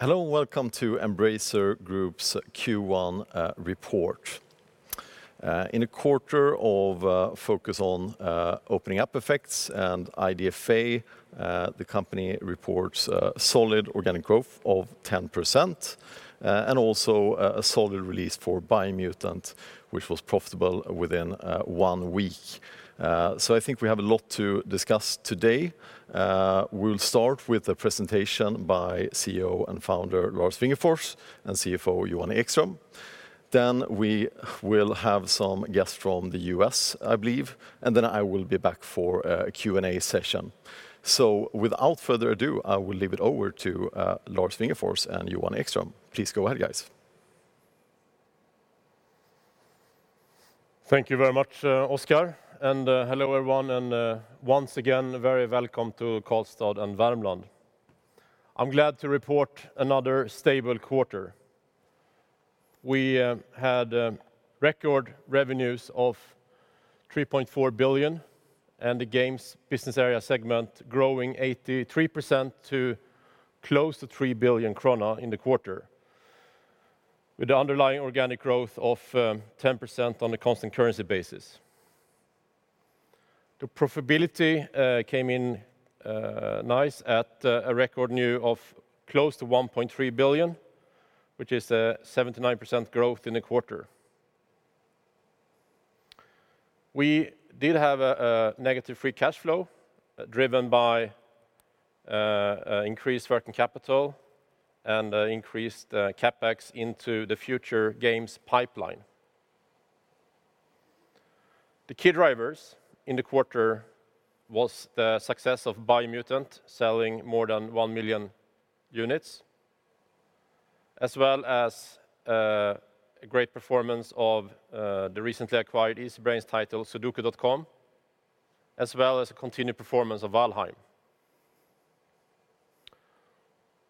Hello, and welcome to Embracer Group's Q1 report. In a quarter of focus on opening up effects and IDFA, the company reports solid organic growth of 10%, and also a solid release for Biomutant, which was profitable within one week. I think we have a lot to discuss today. We'll start with a presentation by CEO and Founder, Lars Wingefors, and CFO, Johan Ekström. Then we will have some guests from the U.S., I believe, and then I will be back for a Q&A session. Without further ado, I will leave it over to Lars Wingefors and Johan Ekström. Please go ahead, guys. Thank you very much, Oscar, and hello, everyone, and once again, very welcome to Karlstad and Värmland. I'm glad to report another stable quarter. We had record revenues of 3.4 billion, and the games business area segment growing 83% to close to 3 billion kronor in the quarter, with underlying organic growth of 10% on a constant currency basis. The profitability came in nice at a record new of close to 1.3 billion, which is a 79% growth in the quarter. We did have a negative free cash flow driven by increased working capital and increased CapEx into the future games pipeline. The key drivers in the quarter was the success of "Biomutant" selling more than 1 million units, as well as a great performance of the recently acquired Easybrain's title, sudoku.com, as well as the continued performance of "Valheim."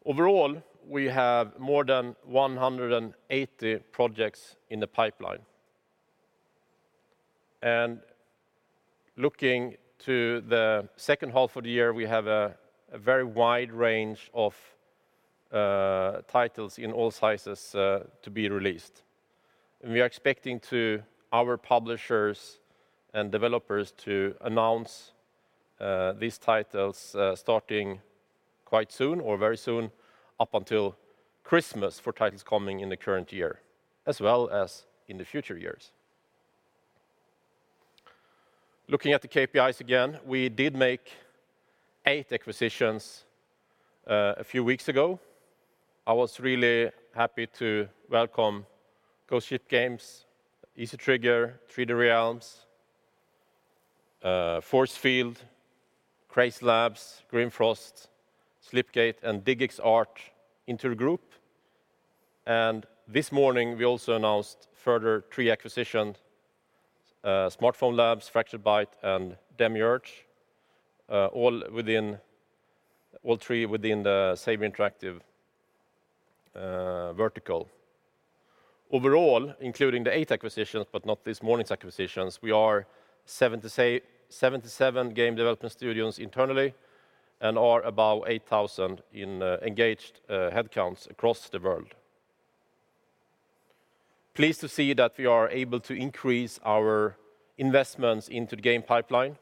Overall, we have more than 180 projects in the pipeline. Looking to the second half of the year, we have a very wide range of titles in all sizes to be released. We are expecting our publishers and developers to announce these titles starting quite soon or very soon up until Christmas for titles coming in the current year, as well as in the future years. Looking at the KPIs again, we did make eight acquisitions a few weeks ago. I was really happy to welcome Ghost Ship Games, Easy Trigger, 3D Realms, Force Field, CrazyLabs, Grimfrost, Slipgate, and DigixArt into the group. This morning we also announced a further three acquisitions, SmartPhone Labs, Fractured Byte, and Demiurge, all three within the Saber Interactive vertical. Overall, including the eight acquisitions, but not this morning's acquisitions, we are 77 game development studios internally and are about 8,000 in engaged headcounts across the world. Pleased to see that we are able to increase our investments into game pipeline.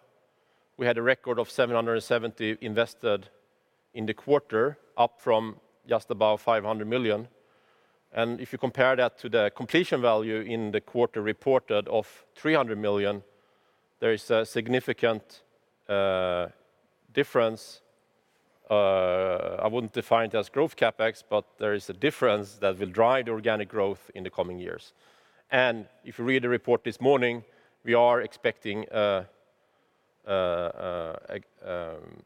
We had a record of 770 million invested in the quarter, up from just about 500 million. If you compare that to the completion value in the quarter reported of 300 million, there is a significant difference. I wouldn't define it as growth CapEx, but there is a difference that will drive the organic growth in the coming years. If you read the report this morning, we are expecting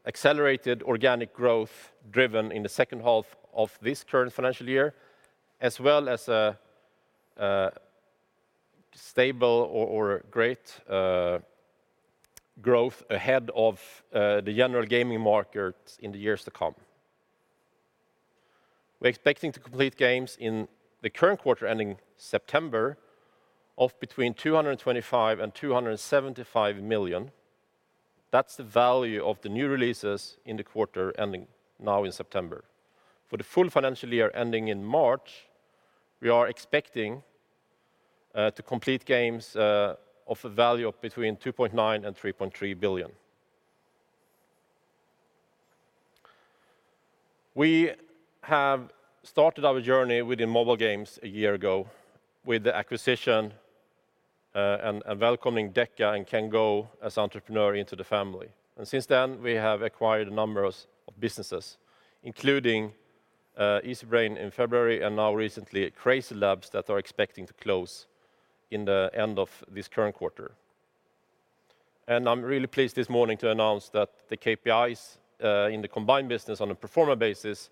accelerated organic growth driven in the second half of this current financial year, as well as a stable or great growth ahead of the general gaming market in the years to come. We are expecting to complete games in the current quarter ending September of between 225 million and 275 million. That's the value of the new releases in the quarter ending now in September. For the full financial year ending in March, we are expecting to complete games of a value of between 2.9 billion and 3.3 billion. We have started our journey within mobile games a year ago with the acquisition and welcoming DECA and Ken Go as entrepreneur into the family. Since then, we have acquired a number of businesses, including Easybrain in February, and now recently, CrazyLabs that are expecting to close in the end of this current quarter. I'm really pleased this morning to announce that the KPIs in the combined business on a pro forma basis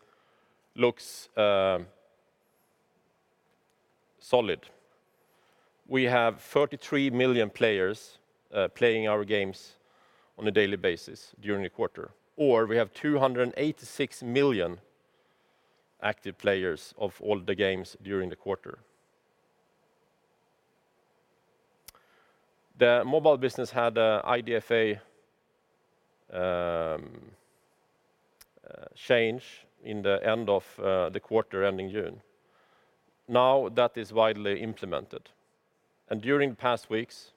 looks solid. We have 33 million players playing our games on a daily basis during the quarter, or we have 286 million active players of all the games during the quarter. The mobile business had a IDFA change in the end of the quarter ending June. Now that is widely implemented, and during the past weeks,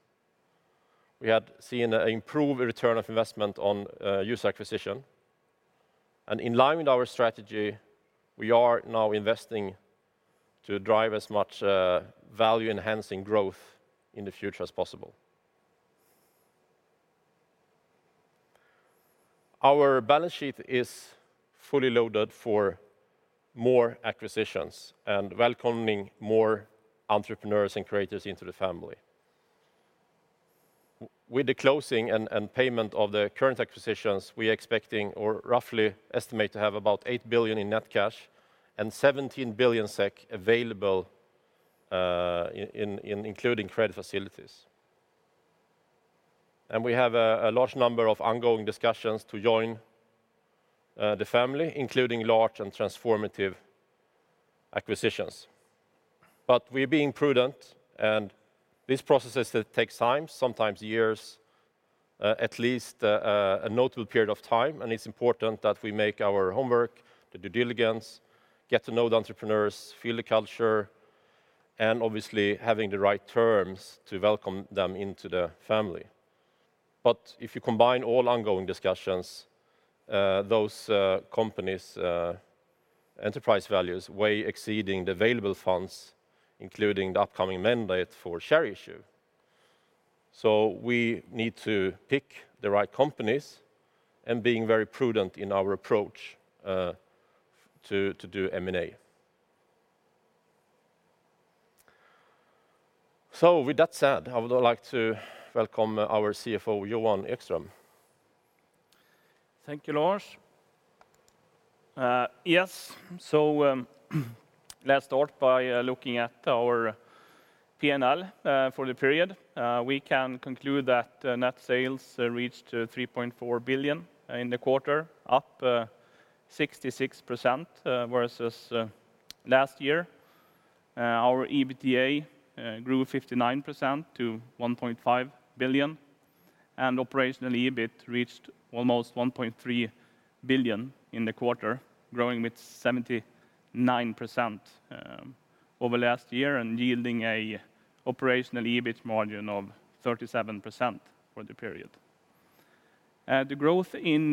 we have seen an improved return on investment on user acquisition. In line with our strategy, we are now investing to drive as much value-enhancing growth in the future as possible. Our balance sheet is fully loaded for more acquisitions and welcoming more entrepreneurs and creators into the family. With the closing and payment of the current acquisitions, we are expecting or roughly estimate to have about 8 billion in net cash and 17 billion SEK available including credit facilities. We have a large number of ongoing discussions to join the family, including large and transformative acquisitions. We're being prudent and this process takes time, sometimes years, at least a notable period of time. It's important that we make our homework, the due diligence, get to know the entrepreneurs, feel the culture, and obviously having the right terms to welcome them into the family. If you combine all ongoing discussions, those companies' enterprise values way exceeding the available funds, including the upcoming mandate for share issue. We need to pick the right companies and being very prudent in our approach to do M&A. With that said, I would like to welcome our CFO, Johan Ekström. Thank you, Lars. Yes. Let's start by looking at our P&L for the period. We can conclude that net sales reached 3.4 billion in the quarter, up 66% versus last year. Our EBITDA grew 59% to 1.5 billion, and operational EBIT reached almost 1.3 billion in the quarter, growing with 79% over last year and yielding an operational EBIT margin of 37% for the period. The growth in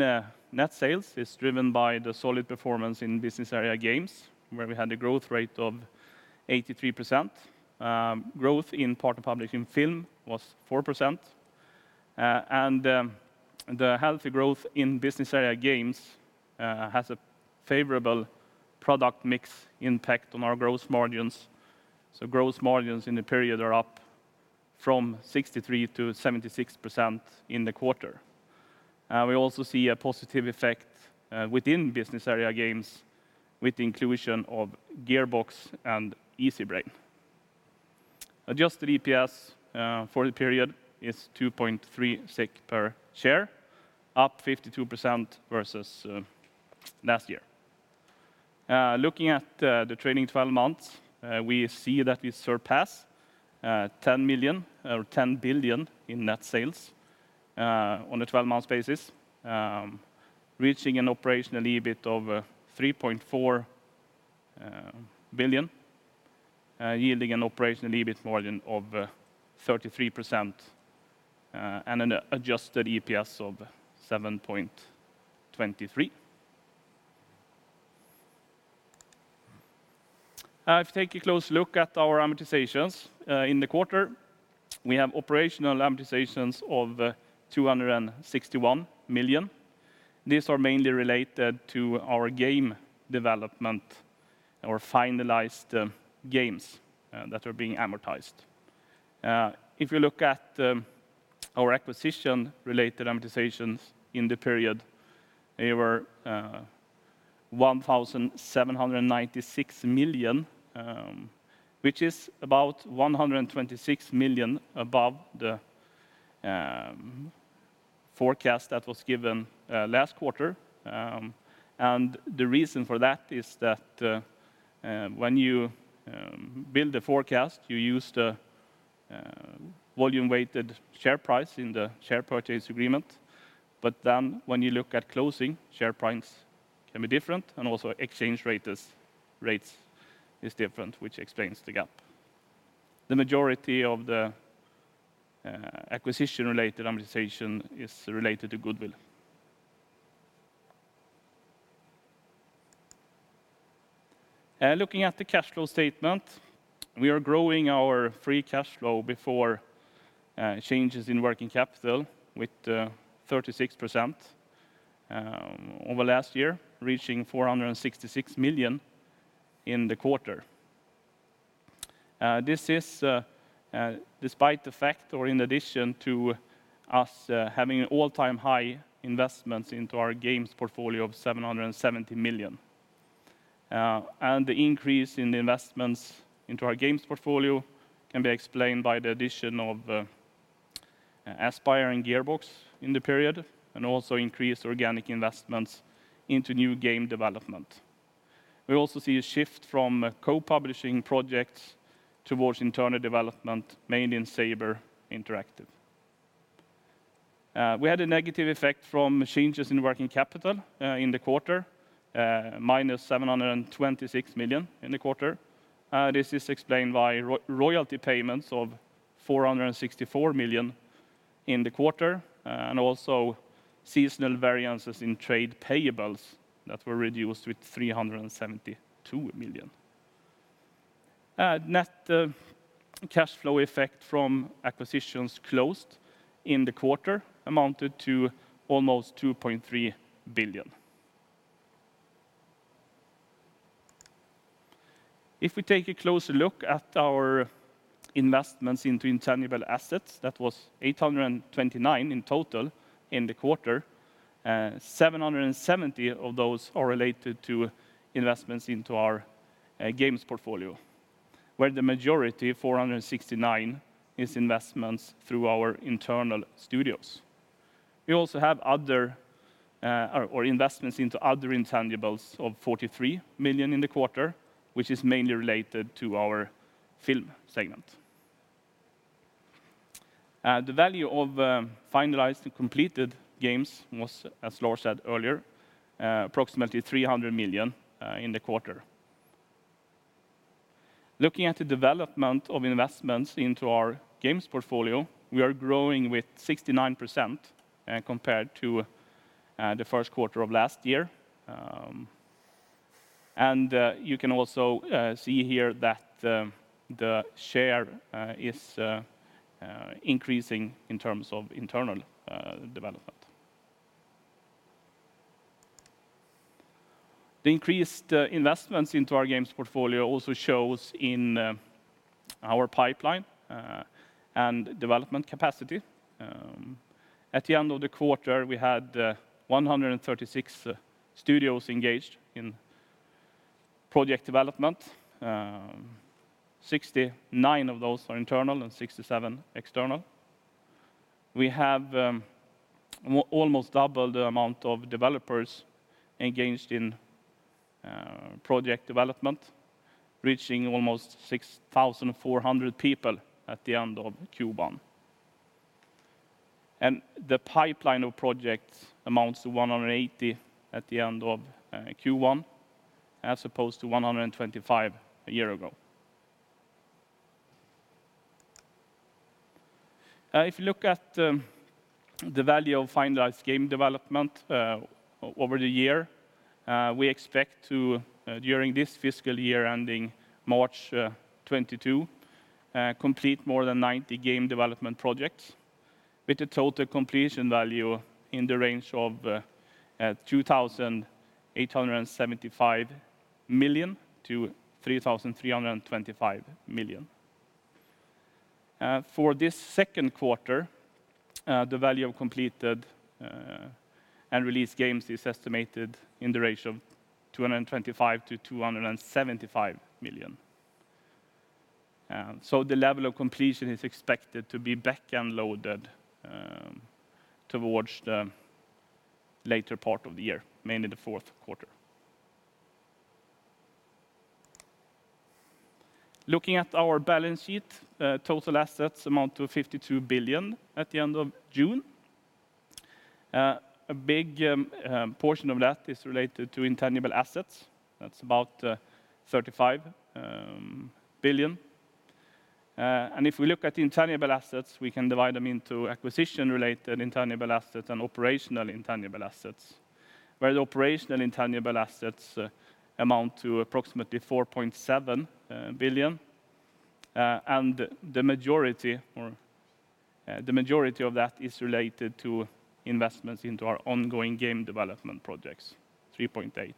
net sales is driven by the solid performance in Business Area Games, where we had a growth rate of 83%. Growth in Partner Publishing Film was 4%. The healthy growth in Business Area Games has a favorable product mix impact on our gross margins. Gross margins in the period are up from 63%-76% in the quarter. We also see a positive effect within Business Area Games with the inclusion of Gearbox and Easybrain. Adjusted EPS for the period is 2.36 per share, up 52% versus last year. Looking at the trailing 12 months, we see that we surpass 10 billion in net sales on a 12-month basis, reaching an operational EBIT of 3.4 billion, yielding an operational EBIT margin of 33% and an adjusted EPS of 7.23. If you take a close look at our amortizations in the quarter, we have operational amortizations of 261 million. These are mainly related to our game development or finalized games that are being amortized. If you look at our acquisition-related amortizations in the period, they were 1.796 billion, which is about 126 million above the forecast that was given last quarter. The reason for that is that when you build a forecast, you use the volume-weighted share price in the share purchase agreement. When you look at closing, share price can be different and also exchange rates is different, which explains the gap. The majority of the acquisition-related amortization is related to goodwill. Looking at the cash flow statement, we are growing our free cash flow before changes in working capital with 36% over last year, reaching 466 million in the quarter. This is despite the fact or in addition to us having all-time high investments into our games portfolio of 770 million. The increase in the investments into our games portfolio can be explained by the addition of Aspyr and Gearbox in the period and also increased organic investments into new game development. We also see a shift from co-publishing projects towards internal development, mainly in Saber Interactive. We had a negative effect from changes in working capital in the quarter, -726 million in the quarter. This is explained by royalty payments of 464 million in the quarter, and also seasonal variances in trade payables that were reduced with 372 million. Net cash flow effect from acquisitions closed in the quarter amounted to almost SEK 2.3 billion. If we take a closer look at our investments into intangible assets, that was 829 in total in the quarter. 770 million of those are related to investments into our games portfolio, where the majority, 469 million, is investments through our internal studios. We also have investments into other intangibles of 43 million in the quarter, which is mainly related to our film segment. The value of finalized and completed games was, as Lars said earlier, approximately 300 million in the quarter. Looking at the development of investments into our games portfolio, we are growing with 69% compared to the first quarter of last year. You can also see here that the share is increasing in terms of internal development. The increased investments into our games portfolio also show in our pipeline and development capacity. At the end of the quarter, we had 136 studios engaged in project development. 69 of those are internal and 67 external. We have almost double the amount of developers engaged in project development, reaching almost 6,400 people at the end of Q1. The pipeline of projects amounts to 180 at the end of Q1, as opposed to 125 a year ago. If you look at the value of finalized game development over the year, we expect to, during this fiscal year ending March 2022, complete more than 90 game development projects with a total completion value in the range of 2.875 billion-3.325 billion. For this second quarter, the value of completed and released games is estimated in the range of 225 million-275 million. The level of completion is expected to be back-end loaded towards the later part of the year, mainly the fourth quarter. Looking at our balance sheet, total assets amount to 52 billion at the end of June. A big portion of that is related to intangible assets. That's about 35 billion. If we look at the intangible assets, we can divide them into acquisition-related intangible assets and operational intangible assets, where the operational intangible assets amount to approximately 4.7 billion. The majority of that is related to investments into our ongoing game development projects, 3.8 billion.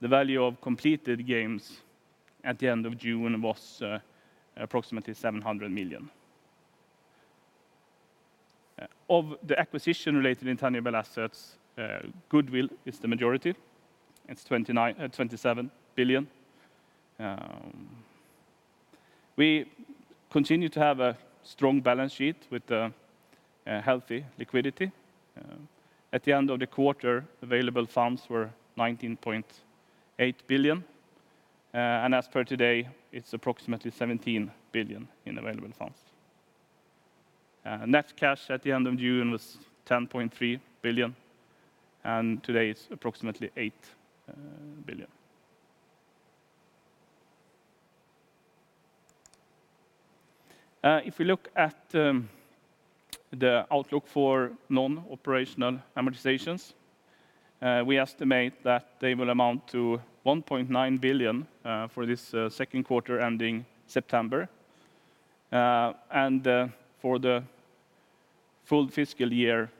The value of completed games at the end of June was approximately SEK 700 million. Of the acquisition-related intangible assets, goodwill is the majority. It's 27 billion. We continue to have a strong balance sheet with a healthy liquidity. At the end of the quarter, available funds were 19.8 billion. As per today, it's approximately 17 billion in available funds. Net cash at the end of June was 10.3 billion. Today it's approximately 8 billion. If we look at the outlook for non-operational amortizations, we estimate that they will amount to 1.9 billion for this second quarter ending September, and for the full fiscal year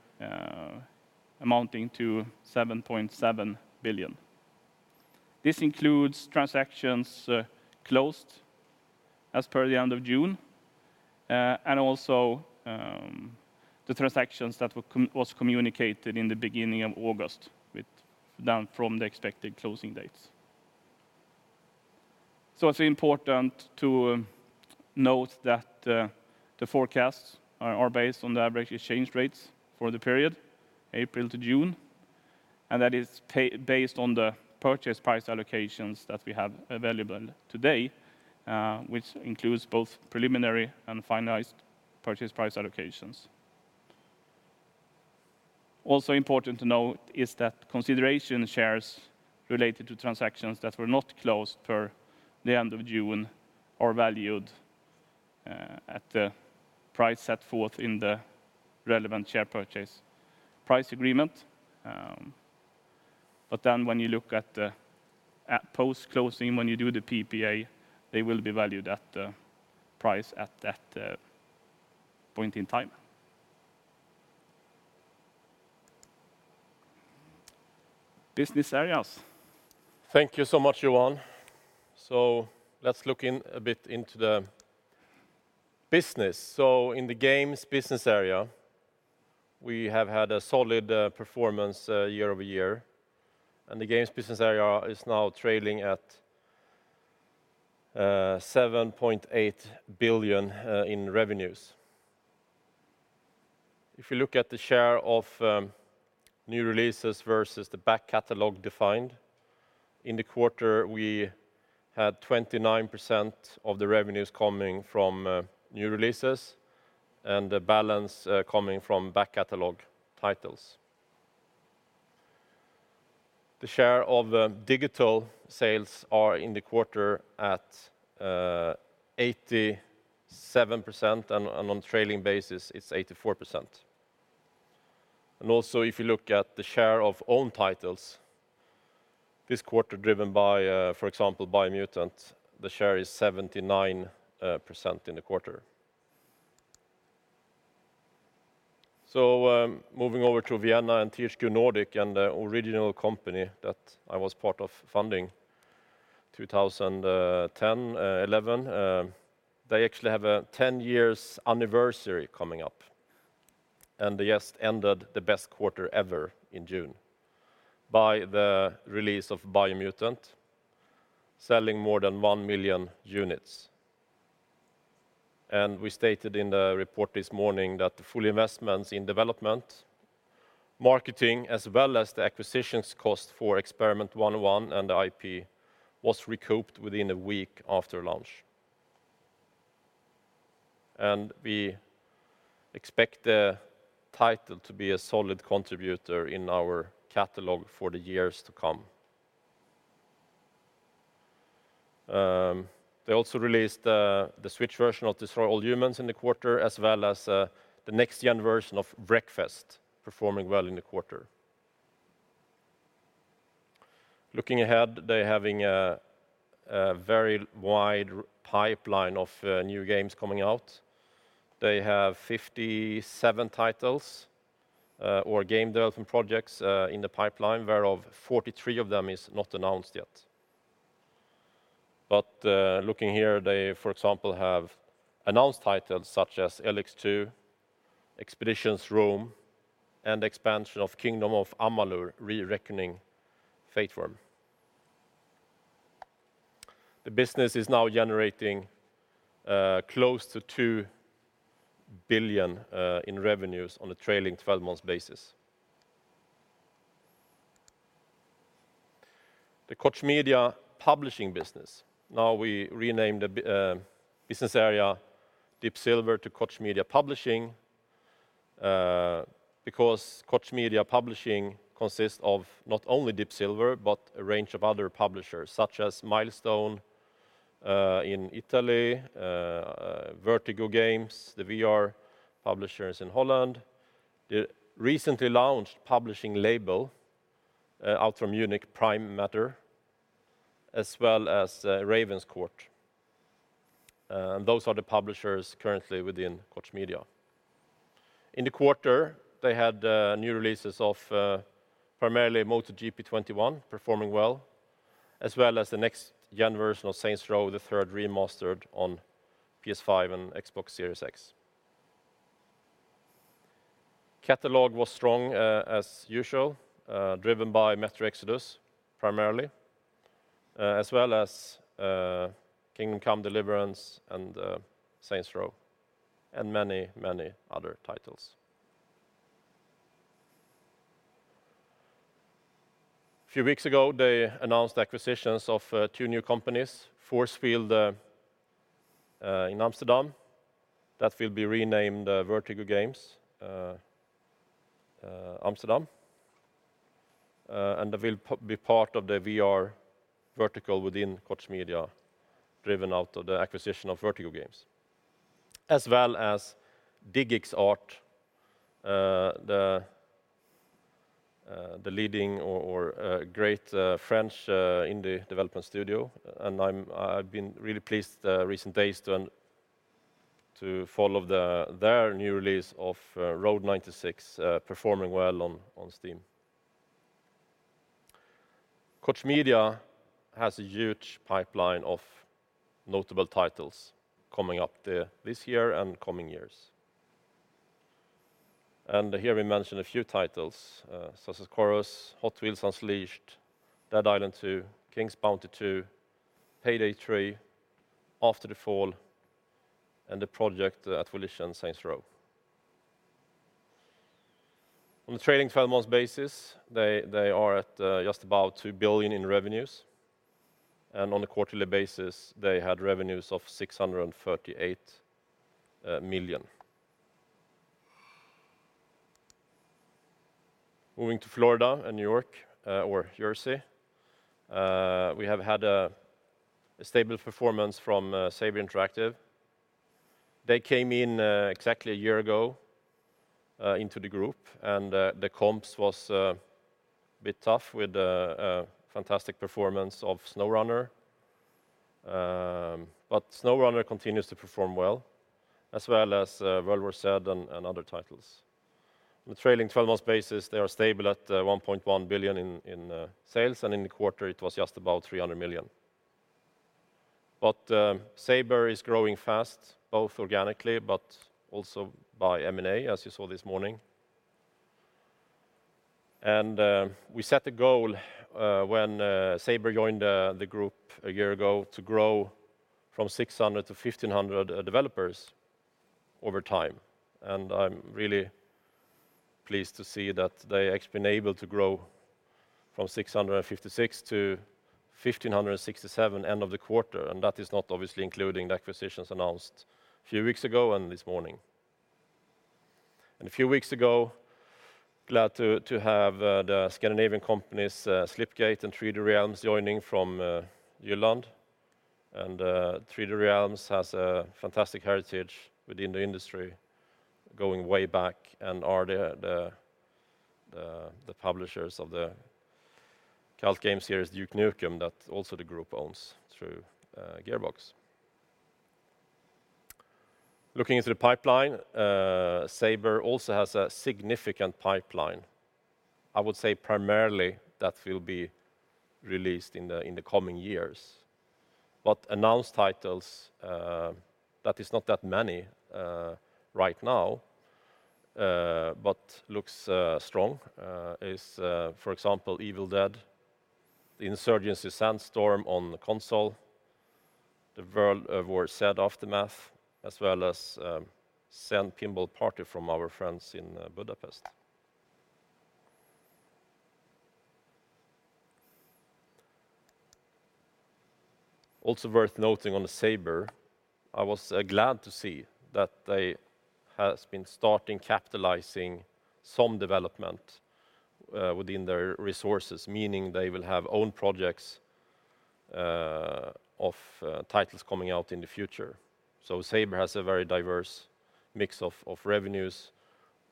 amounting to 7.7 billion. This includes transactions closed as per the end of June, also the transactions that was communicated in the beginning of August from the expected closing dates. It's important to note that the forecasts are based on the average exchange rates for the period April to June, and that is based on the purchase price allocations that we have available today, which includes both preliminary and finalized purchase price allocations. Also important to note is that consideration shares related to transactions that were not closed per the end of June are valued at the price set forth in the relevant share purchase price agreement. When you look at post-closing, when you do the PPA, they will be valued at the price at that point in time. Business areas. Thank you so much, Johan. Let's look a bit into the business. In the Games business area, we have had a solid performance year-over-year, and the Games business area is now trailing at SEK 7.8 billion in revenues. If you look at the share of new releases versus the back catalog, in the quarter, we had 29% of the revenues coming from new releases and the balance coming from back-catalog titles. The share of digital sales are in the quarter at 87%, and on trailing basis, it's 84%. Also, if you look at the share of own titles, this quarter driven by, for example, "Biomutant," the share is 79% in the quarter. Moving over to Vienna and THQ Nordic, and the original company that I was part of funding 2010/2011. They actually have a 10-year anniversary coming up. They just ended the best quarter ever in June by the release of Biomutant, selling more than 1 million units. We stated in the report this morning that the full investments in development, marketing, as well as the acquisitions cost for Experiment 101 and the IP was recouped within a week after launch. We expect the title to be a solid contributor in our catalog for the years to come. They also released the Switch version of Destroy All Humans! in the quarter, as well as the next-gen version of Wreckfest, performing well in the quarter. Looking ahead, they're having a very wide pipeline of new games coming out. They have 57 titles or game development projects in the pipeline, whereof 43 of them is not announced yet. Looking here, they, for example, have announced titles such as ELEX II, Expeditions: Rome, and expansion of Kingdoms of Amalur: Re-Reckoning Fatesworn. The business is now generating close to 2 billion in revenues on a trailing 12 months basis. The Koch Media publishing business. We renamed the business area Deep Silver to Koch Media Publishing, because Koch Media Publishing consists of not only Deep Silver, but a range of other publishers, such as Milestone in Italy, Vertigo Games, the VR publishers in Holland, the recently launched publishing label out from Munich, Prime Matter, as well as Ravenscourt. Those are the publishers currently within Koch Media. In the quarter, they had new releases of primarily MotoGP 21 performing well, as well as the next-gen version of Saints Row: The Third Remastered on PS5 and Xbox Series X. Catalog was strong as usual, driven by "Metro Exodus," primarily, as well as "Kingdom Come: Deliverance" and "Saints Row," and many other titles. A few weeks ago, they announced acquisitions of two new companies, Force Field in Amsterdam. That will be renamed Vertigo Studios Amsterdam, and that will be part of the VR vertical within Koch Media, driven out of the acquisition of Vertigo Games. As well as DigixArt, the leading or great French indie development studio, and I've been really pleased recent days to follow their new release of "Road 96" performing well on Steam. Koch Media has a huge pipeline of notable titles coming up this year and coming years. Here we mention a few titles such as Chorus, Hot Wheels Unleashed, Dead Island 2, King's Bounty II, PAYDAY 3, After the Fall, and the project at Volition, Saints Row. On the trailing 12 months basis, they are at just about 2 billion in revenues, and on a quarterly basis, they had revenues of 638 million. Moving to Florida and New York, or Jersey, we have had a stable performance from Saber Interactive. They came in exactly a year ago into the group, and the comps was a bit tough with the fantastic performance of SnowRunner. SnowRunner continues to perform well, as well as World War Z and other titles. On a trailing 12 months basis, they are stable at 1.1 billion in sales, and in the quarter it was just about 300 million. Saber is growing fast, both organically but also by M&A, as you saw this morning. We set a goal when Saber joined the group a year ago to grow from 600 to 1,500 developers over time. I'm really pleased to see that they have been able to grow from 656 to 1,567 end of the quarter, and that is not obviously including the acquisitions announced a few weeks ago and this morning. A few weeks ago, glad to have the Scandinavian companies, Slipgate and 3D Realms, joining from Jylland. 3D Realms has a fantastic heritage within the industry, going way back, and are the publishers of the cult game series, "Duke Nukem," that also the group owns through Gearbox. Looking into the pipeline, Saber also has a significant pipeline. I would say primarily that will be released in the coming years. Announced titles, that is not that many right now, but looks strong, is, for example, Evil Dead, Insurgency: Sandstorm on console, World War Z: Aftermath, as well as Zen Pinball Party from our friends in Budapest. Also worth noting on Saber, I was glad to see that they have been starting capitalizing some development within their resources, meaning they will have own projects of titles coming out in the future. Saber has a very diverse mix of revenues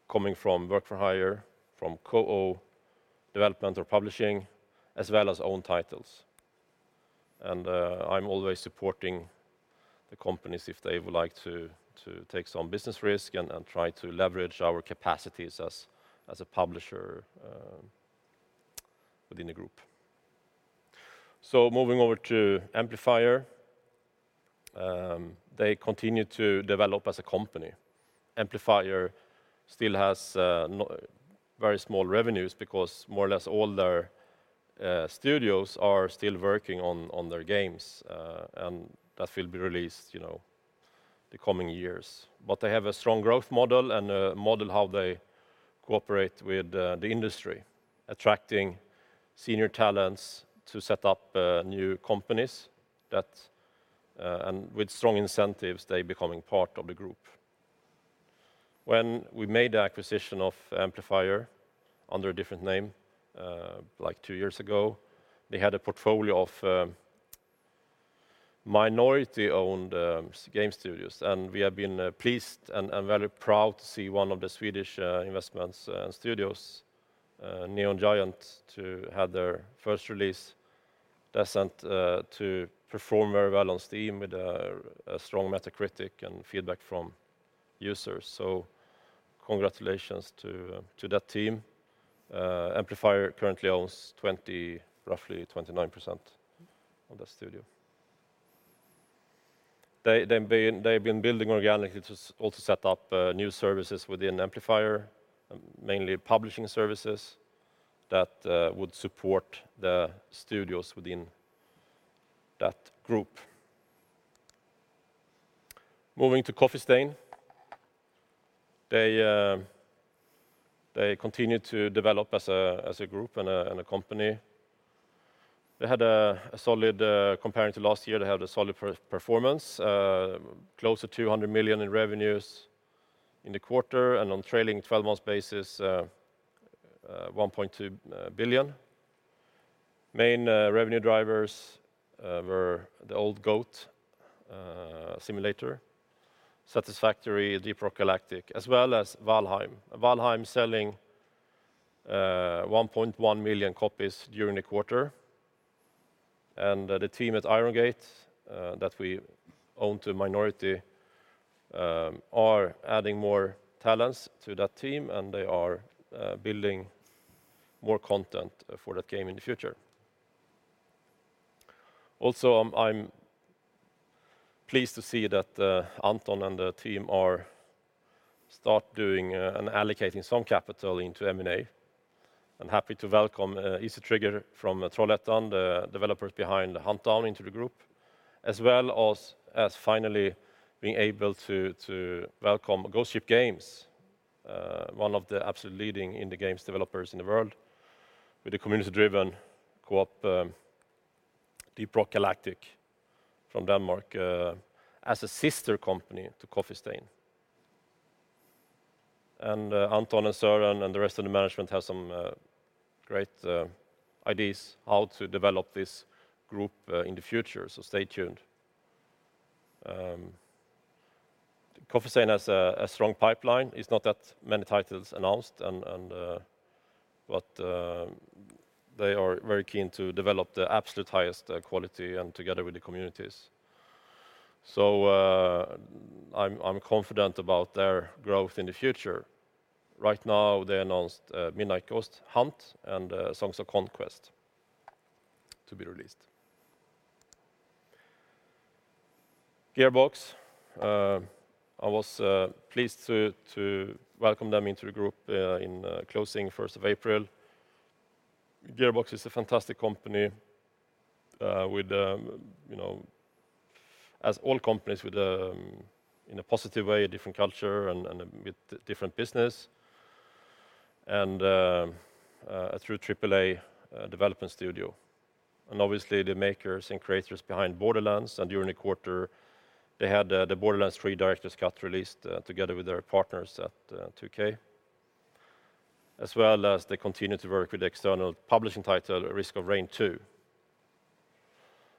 coming from work for hire, from co-development or publishing, as well as own titles. I'm always supporting the companies if they would like to take some business risk and try to leverage our capacities as a publisher within the group. Moving over to Amplifier. They continue to develop as a company. Amplifier still has very small revenues because more or less all their studios are still working on their games, and that will be released the coming years. They have a strong growth model and a model how they cooperate with the industry, attracting senior talents to set up new companies, and with strong incentives, they becoming part of the group. When we made the acquisition of Amplifier under a different name two years ago, they had a portfolio of minority-owned game studios, and we have been pleased and very proud to see one of the Swedish investments studios, Neon Giant, to have their first release, The Ascent, to perform very well on Steam with a strong Metacritic and feedback from users. Congratulations to that team. Amplifier currently owns roughly 29% of that studio. They've been building organically to also set up new services within Amplifier, mainly publishing services that would support the studios within that group. Moving to Coffee Stain. They continue to develop as a group and a company. Compared to last year, they had a solid performance. Close to 200 million in revenues in the quarter, and on trailing 12-month basis, 1.2 billion. Main revenue drivers were the old Goat Simulator, Satisfactory, Deep Rock Galactic, as well as Valheim. Valheim selling 1.1 million copies during the quarter. The team at Iron Gate, that we own to a minority, are adding more talents to that team, and they are building more content for that game in the future. Also, I'm pleased to see that Anton and the team are start doing and allocating some capital into M&A. I'm happy to welcome Easy Trigger from Trollhättan, the developers behind Huntdown into the group, as well as finally being able to welcome Ghost Ship Games, one of the absolute leading indie games developers in the world with the community-driven co-op, Deep Rock Galactic from Denmark, as a sister company to Coffee Stain. Anton and Søren and the rest of the management have some great ideas how to develop this group in the future. Stay tuned. Coffee Stain has a strong pipeline. It's not that many titles announced, but they are very keen to develop the absolute highest quality and together with the communities. I'm confident about their growth in the future. Right now, they announced Midnight Ghost Hunt and Songs of Conquest to be released. Gearbox. I was pleased to welcome them into the group in closing 1st of April. Gearbox is a fantastic company, as all companies with, in a positive way, a different culture and a different business, and a true AAA development studio. Obviously, the makers and creators behind "Borderlands," during the quarter, they had the "Borderlands 3: Director's Cut" released together with their partners at 2K. They continue to work with the external publishing title, "Risk of Rain 2."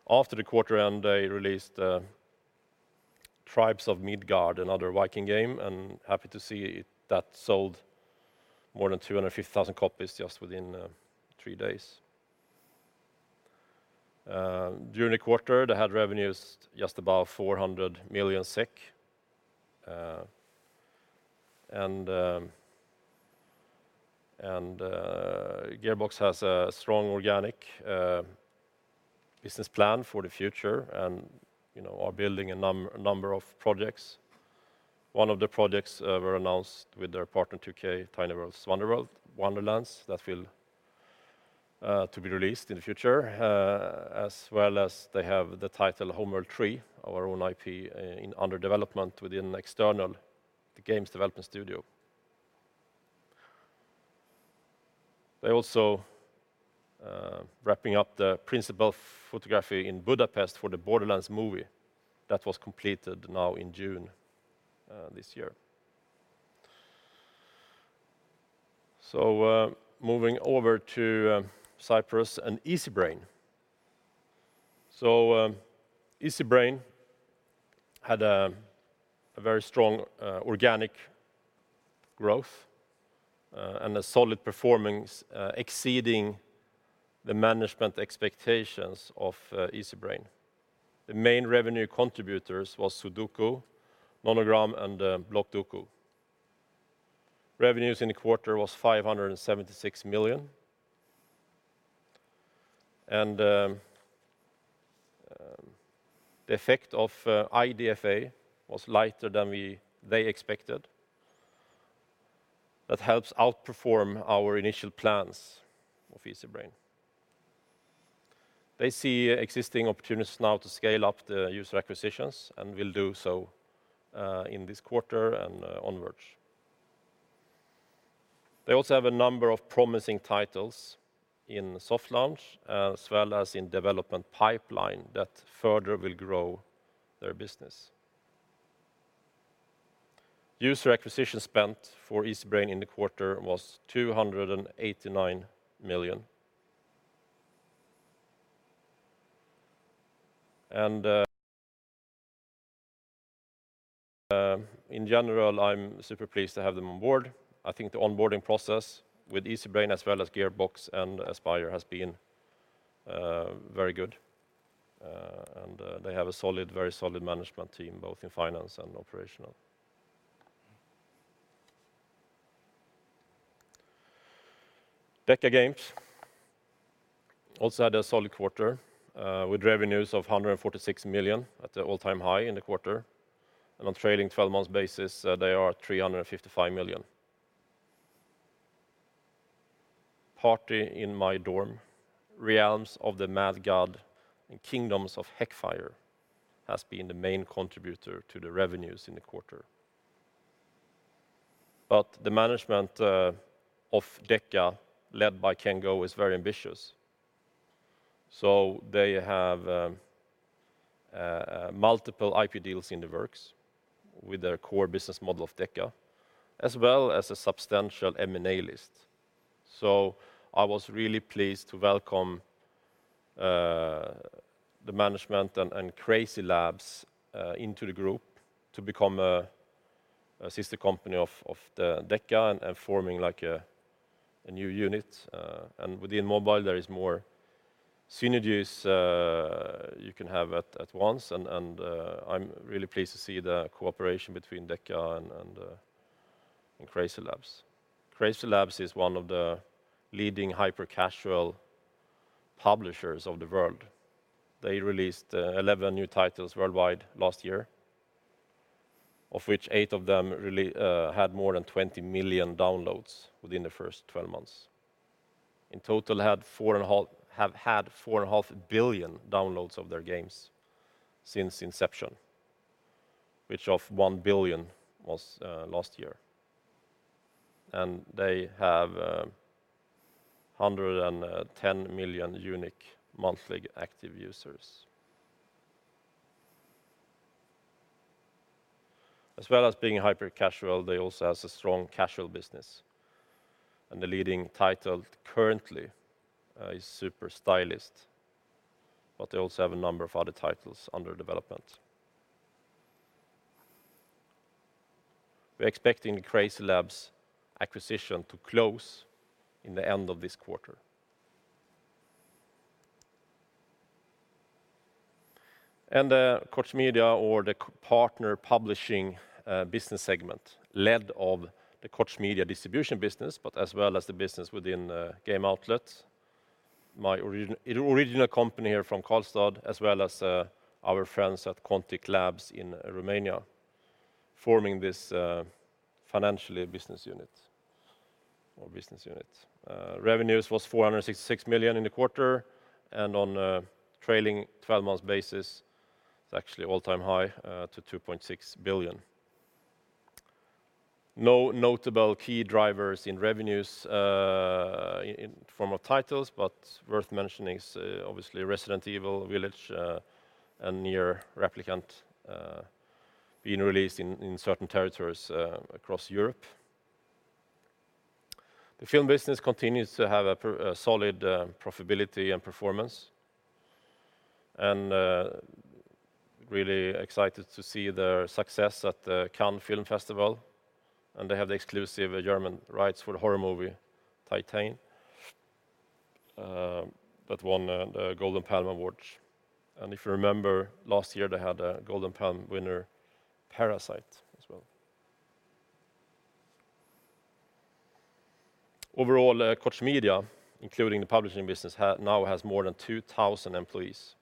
After the quarter end, they released "Tribes of Midgard," another Viking game, and happy to see that sold more than 250,000 copies just within three days. During the quarter, they had revenues just above 400 million SEK. Gearbox has a strong organic business plan for the future and are building a number of projects. One of the projects were announced with their partner, 2K, "Tiny Tina's Wonderlands" that will be released in the future. They have the title "Homeworld 3," our own IP in under development within external the games development studio. They also wrapping up the principal photography in Budapest for the "Borderlands" movie that was completed now in June this year. Moving over to Cyprus and Easybrain. Easybrain had a very strong organic growth and a solid performance exceeding the management expectations of Easybrain. The main revenue contributors was Sudoku, Nonogram, and Blockudoku. Revenues in the quarter was 576 million. The effect of IDFA was lighter than they expected. That helps outperform our initial plans of Easybrain. They see existing opportunities now to scale up the user acquisitions and will do so in this quarter and onwards. They also have a number of promising titles in soft launch, as well as in development pipeline that further will grow their business. User acquisition spent for Easybrain in the quarter was 289 million. In general, I'm super pleased to have them on board. I think the onboarding process with Easybrain as well as Gearbox and Aspyr has been very good. They have a very solid management team, both in finance and operational. DECA Games also had a solid quarter, with revenues of 146 million at the all-time high in the quarter. On trailing 12 months basis, they are 355 million. "Party In My Dorm," "Realm of the Mad God," and "Kingdoms of Heckfire" has been the main contributor to the revenues in the quarter. The management of DECA, led by Ken Go, is very ambitious. They have multiple IP deals in the works with their core business model of DECA, as well as a substantial M&A list. I was really pleased to welcome the management and CrazyLabs into the group to become a sister company of the DECA and forming a new unit. Within mobile, there is more synergies you can have at once, and I'm really pleased to see the cooperation between DECA and CrazyLabs. CrazyLabs is one of the leading hyper-casual publishers of the world. They released 11 new titles worldwide last year, of which eight of them had more than 20 million downloads within the first 12 months. In total, have had 4.5 billion downloads of their games since inception, which of 1 billion was last year. They have 110 million unique monthly active users. As well as being hyper-casual, they also have a strong casual business, and the leading title currently is Super Stylist. They also have a number of other titles under development. We're expecting the CrazyLabs acquisition to close in the end of this quarter. The Koch Media or the partner publishing business segment led of the Koch Media distribution business, but as well as the business within Game Outlet Europe. My original company here from Karlstad, as well as our friends at Quantic Lab in Romania, forming this financially business unit. Revenues was 466 million in the quarter. On a trailing 12 months basis, it's actually all-time high to 2.6 billion. No notable key drivers in revenues in form of titles, but worth mentioning is obviously Resident Evil Village and NieR Replicant being released in certain territories across Europe. The film business continues to have a solid profitability and performance, and really excited to see their success at the Cannes Film Festival, and they have the exclusive German rights for the horror movie, "Titane," that won the Golden Palm award. If you remember last year, they had a Golden Palm winner, "Parasite," as well. Overall, Koch Media, including the publishing business, now has more than 2,000 employees,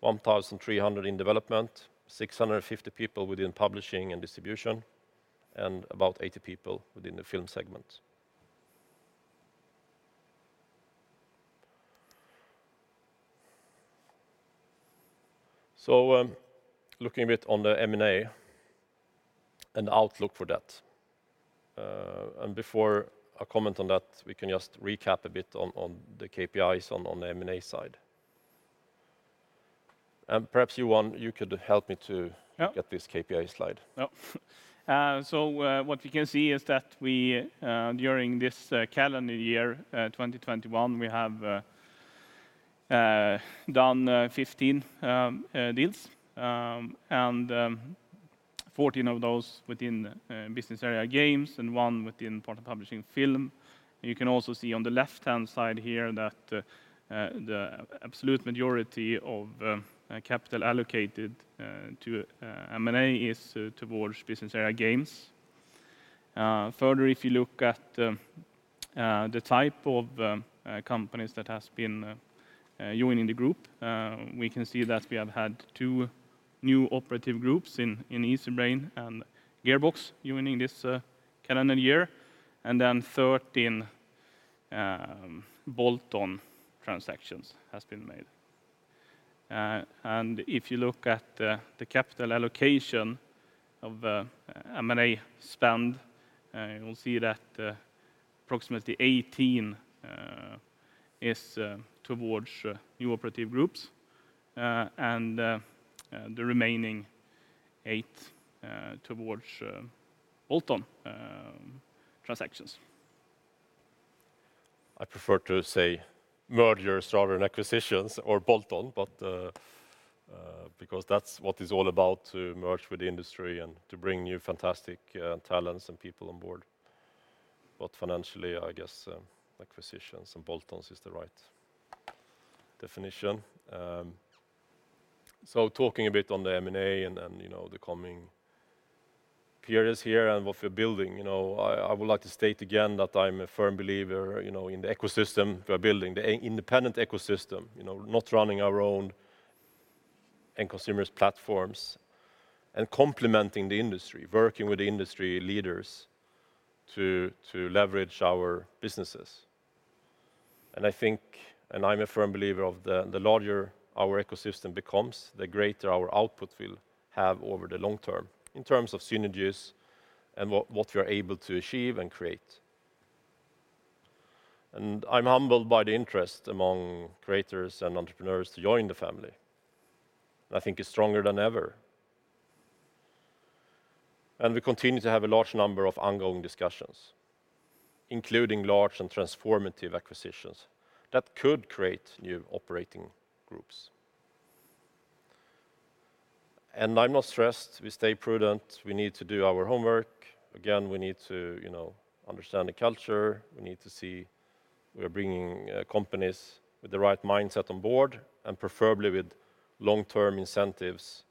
1,300 in development, 650 people within publishing and distribution, and about 80 people within the film segment. Looking a bit on the M&A and outlook for that. Before I comment on that, we can just recap a bit on the KPIs on the M&A side. Perhaps you one, you could help me to Yeah get this KPI slide. Yeah. What you can see is that during this calendar year, 2021, we have done 15 deals, and 14 of those within Business Area Games and one within partner publishing film. You can also see on the left-hand side here that the absolute majority of capital allocated to M&A is towards Business Area Games. If you look at the type of companies that has been joining the group, we can see that we have had two new operative groups in Easybrain and Gearbox joining this calendar year, and then 13 bolt-on transactions has been made. If you look at the capital allocation of M&A spend, you'll see that approximately 18 is towards new operative groups, and the remaining 8 towards bolt-on transactions. I prefer to say mergers rather than acquisitions or bolt-on, because that's what it's all about, to merge with the industry and to bring new fantastic talents and people on board. Financially, I guess, acquisitions and bolt-ons is the right definition. Talking a bit on the M&A and the coming periods here and what we're building. I would like to state again that I'm a firm believer in the ecosystem we are building, the independent ecosystem. Not running our own end consumers platforms and complementing the industry, working with the industry leaders to leverage our businesses. I'm a firm believer of the larger our ecosystem becomes, the greater our output will have over the long term in terms of synergies and what we are able to achieve and create. I'm humbled by the interest among creators and entrepreneurs to join the family. I think it's stronger than ever. We continue to have a large number of ongoing discussions, including large and transformative acquisitions that could create new operating groups. I'm not stressed. We stay prudent. We need to do our homework. Again, we need to understand the culture. We are bringing companies with the right mindset on board, and preferably with long-term incentives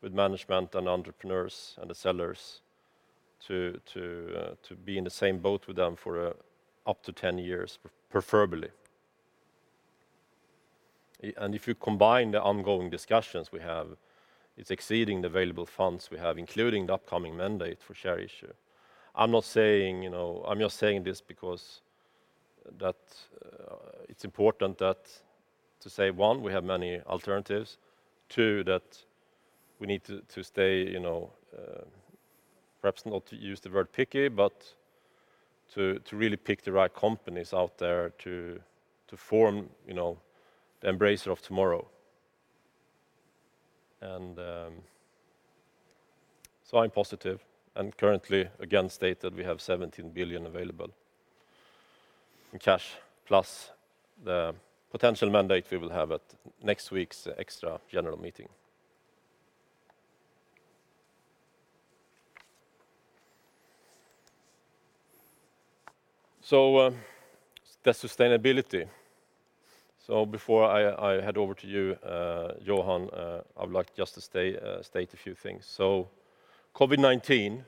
with management and entrepreneurs and the sellers to be in the same boat with them for up to 10 years, preferably. If you combine the ongoing discussions we have, it's exceeding the available funds we have, including the upcoming mandate for share issue. I'm just saying this because it's important to say, one, we have many alternatives. Two, that we need to stay, perhaps not to use the word picky, but to really pick the right companies out there to form the Embracer of tomorrow. I'm positive and currently again state that we have 17 billion available in cash, plus the potential mandate we will have at next week's extra general meeting. The sustainability. Before I hand over to you, Johan, I would like just to state a few things. COVID-19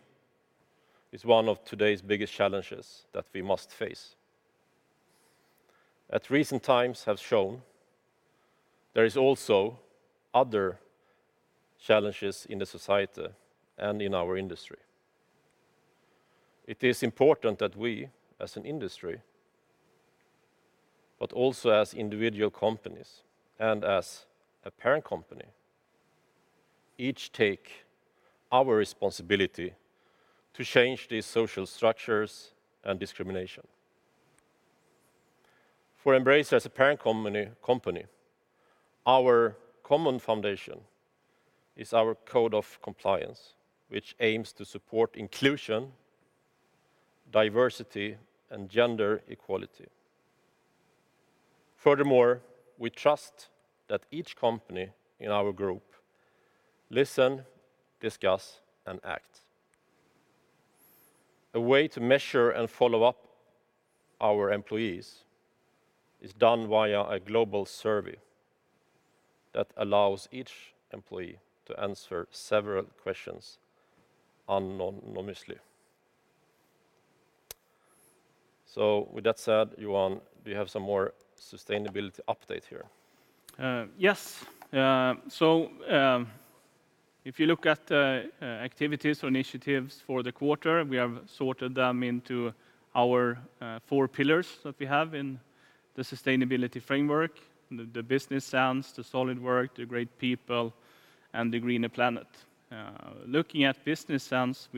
is one of today's biggest challenges that we must face. As recent times have shown, there is also other challenges in the society and in our industry. It is important that we, as an industry, but also as individual companies and as a parent company, each take our responsibility to change these social structures and discrimination. For Embracer as a parent company, our common foundation is our code of compliance, which aims to support inclusion, diversity, and gender equality. We trust that each company in our group listen, discuss, and act. A way to measure and follow up our employees is done via a global survey that allows each employee to answer several questions anonymously. With that said, Johan, do you have some more sustainability update here? Yes. If you look at activities or initiatives for the quarter, we have sorted them into our four pillars that we have in the Sustainability Framework, the Business Sense, the Solid Work, the Great People, and the Greener Planet. Looking at Business Sense,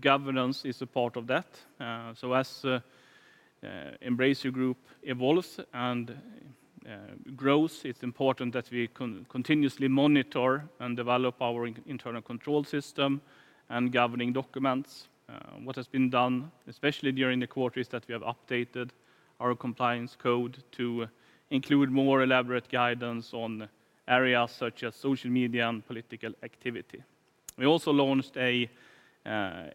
governance is a part of that. As Embracer Group evolves and grows, it's important that we continuously monitor and develop our internal control system and governing documents. What has been done, especially during the quarter, is that we have updated our Compliance Code to include more elaborate guidance on areas such as social media and political activity. We also launched an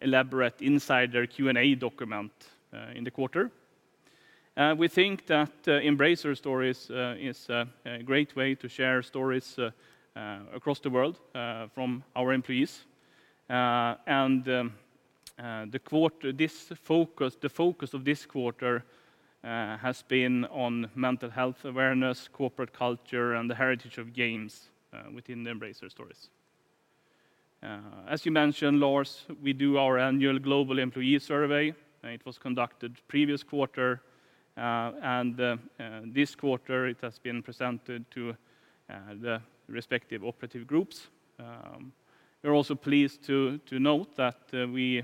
elaborate insider Q&A document in the quarter. We think that Embracer Stories is a great way to share stories across the world from our employees. The focus of this quarter has been on mental health awareness, corporate culture, and the heritage of games within the Embracer Stories. As you mentioned, Lars, we do our annual global employee survey. It was conducted previous quarter. This quarter it has been presented to the respective operative groups. We're also pleased to note that we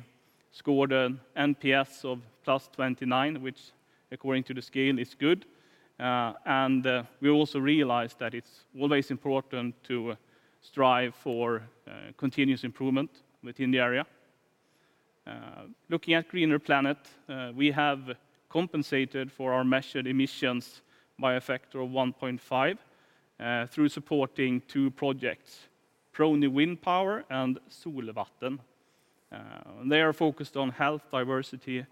scored an NPS of +29, which according to the scale, is good. We also realized that it's always important to strive for continuous improvement within the area. Looking at greener planet, we have compensated for our measured emissions by a factor of 1.5 through supporting two projects, Prony Wind Power and Solvatten. They are focused on health, diversity,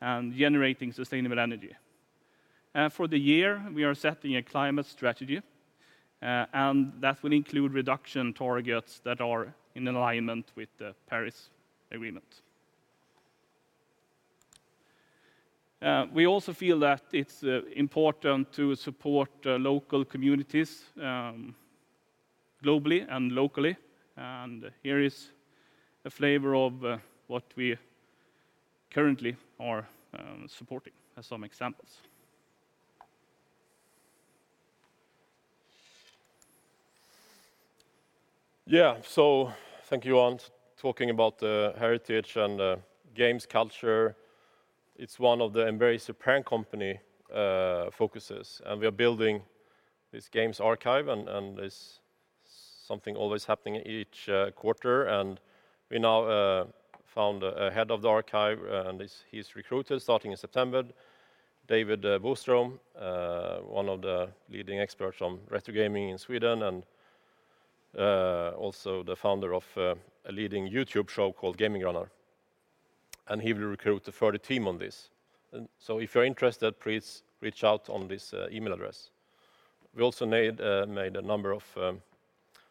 and generating sustainable energy. For the year, we are setting a climate strategy. That will include reduction targets that are in alignment with the Paris Agreement. We also feel that it is important to support local communities globally and locally. Here is a flavor of what we currently are supporting as some examples. Yeah. Thank you, Johan. Talking about the heritage and games culture, it's one of the Embracer parent company focuses. We are building this games archive. There's something always happening each quarter. We now found a head of the archive. He's recruited starting in September, David Boström, one of the leading experts on retro gaming in Sweden. Also the founder of a leading YouTube show called GamingGranner, he will recruit a further team on this. If you're interested, please reach out on this email address. We also made a number of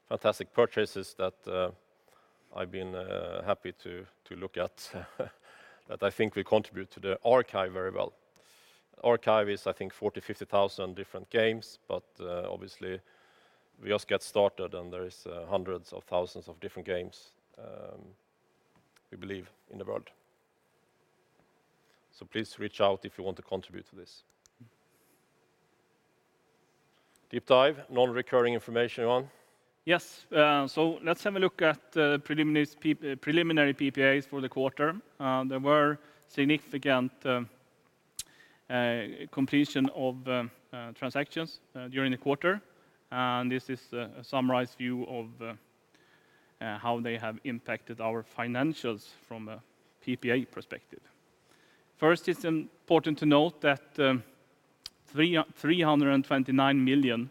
fantastic purchases that I've been happy to look at that I think will contribute to the archive very well. Archive is, I think, 40,000, 50,000 different games. Obviously we just get started. There is hundreds of thousands of different games, we believe, in the world. Please reach out if you want to contribute to this. Deep dive, non-recurring information, Johan. Yes. Let's have a look at the preliminary PPAs for the quarter. There were significant completion of transactions during the quarter, and this is a summarized view of how they have impacted our financials from a PPA perspective. First, it's important to note that 329 million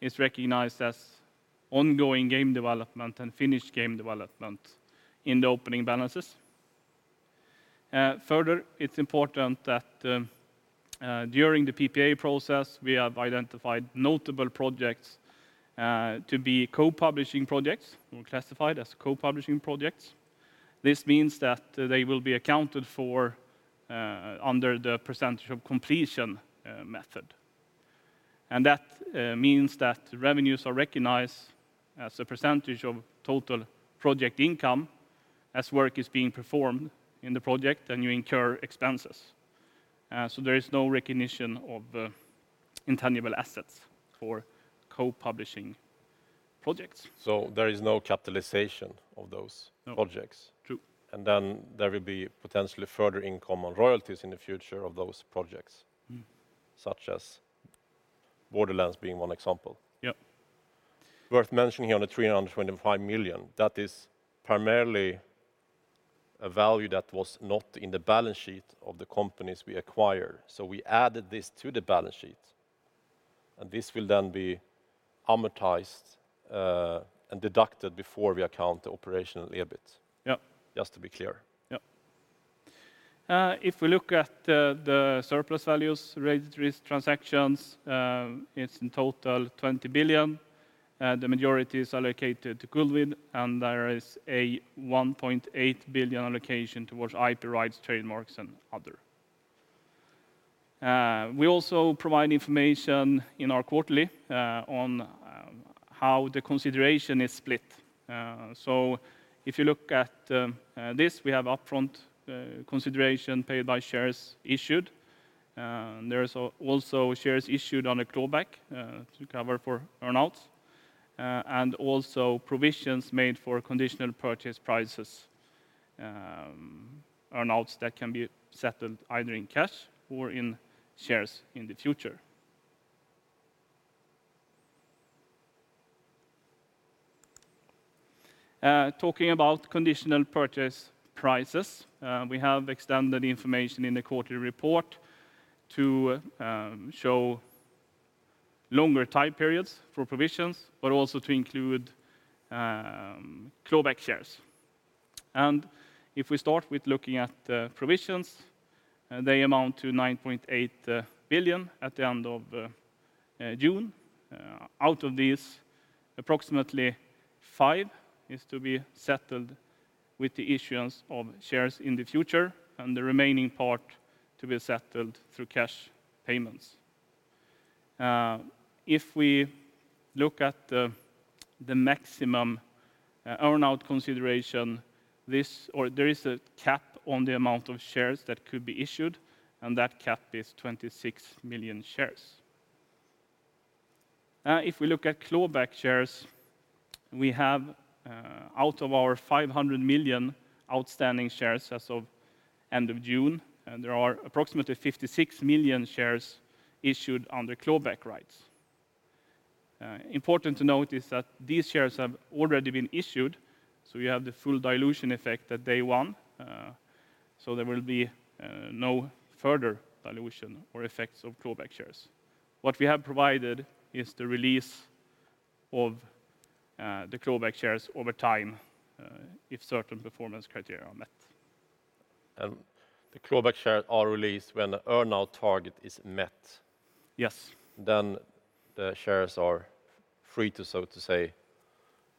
is recognized as ongoing game development and finished game development in the opening balances. Further, it's important that during the PPA process, we have identified notable projects to be co-publishing projects, or classified as co-publishing projects. This means that they will be accounted for under the percentage of completion method. That means that revenues are recognized as a percentage of total project income as work is being performed in the project and you incur expenses. There is no recognition of intangible assets for co-publishing projects. There is no capitalization of those projects. No. True. Then there will be potentially further income on royalties in the future of those projects. Such as "Borderlands" being one example. Yep. Worth mentioning on the 325 million, that is primarily a value that was not in the balance sheet of the companies we acquired. We added this to the balance sheet, and this will then be amortized and deducted before we account the operational EBIT. Yep. Just to be clear. Yep. If we look at the surplus values, registered transactions, it's in total 20 billion. The majority is allocated to goodwill, and there is a 1.8 billion allocation towards IP rights, trademarks, and other. We also provide information in our quarterly on how the consideration is split. If you look at this, we have upfront consideration paid by shares issued. There is also shares issued on a clawback to cover for earn-outs, and also provisions made for conditional purchase prices, earn-outs that can be settled either in cash or in shares in the future. Talking about conditional purchase prices, we have extended information in the quarterly report to show longer time periods for provisions, but also to include clawback shares. If we start with looking at provisions, they amount to 9.8 billion at the end of June. Out of these, approximately five is to be settled with the issuance of shares in the future, and the remaining part to be settled through cash payments. If we look at the maximum earn-out consideration, there is a cap on the amount of shares that could be issued, and that cap is 26 million shares. If we look at clawback shares, we have out of our 500 million outstanding shares as of end of June, there are approximately 56 million shares issued under clawback rights. Important to note is that these shares have already been issued, so we have the full dilution effect at day one. There will be no further dilution or effects of clawback shares. What we have provided is the release of the clawback shares over time if certain performance criteria are met. The clawback shares are released when the earn-out target is met. Yes. The shares are free, so to say.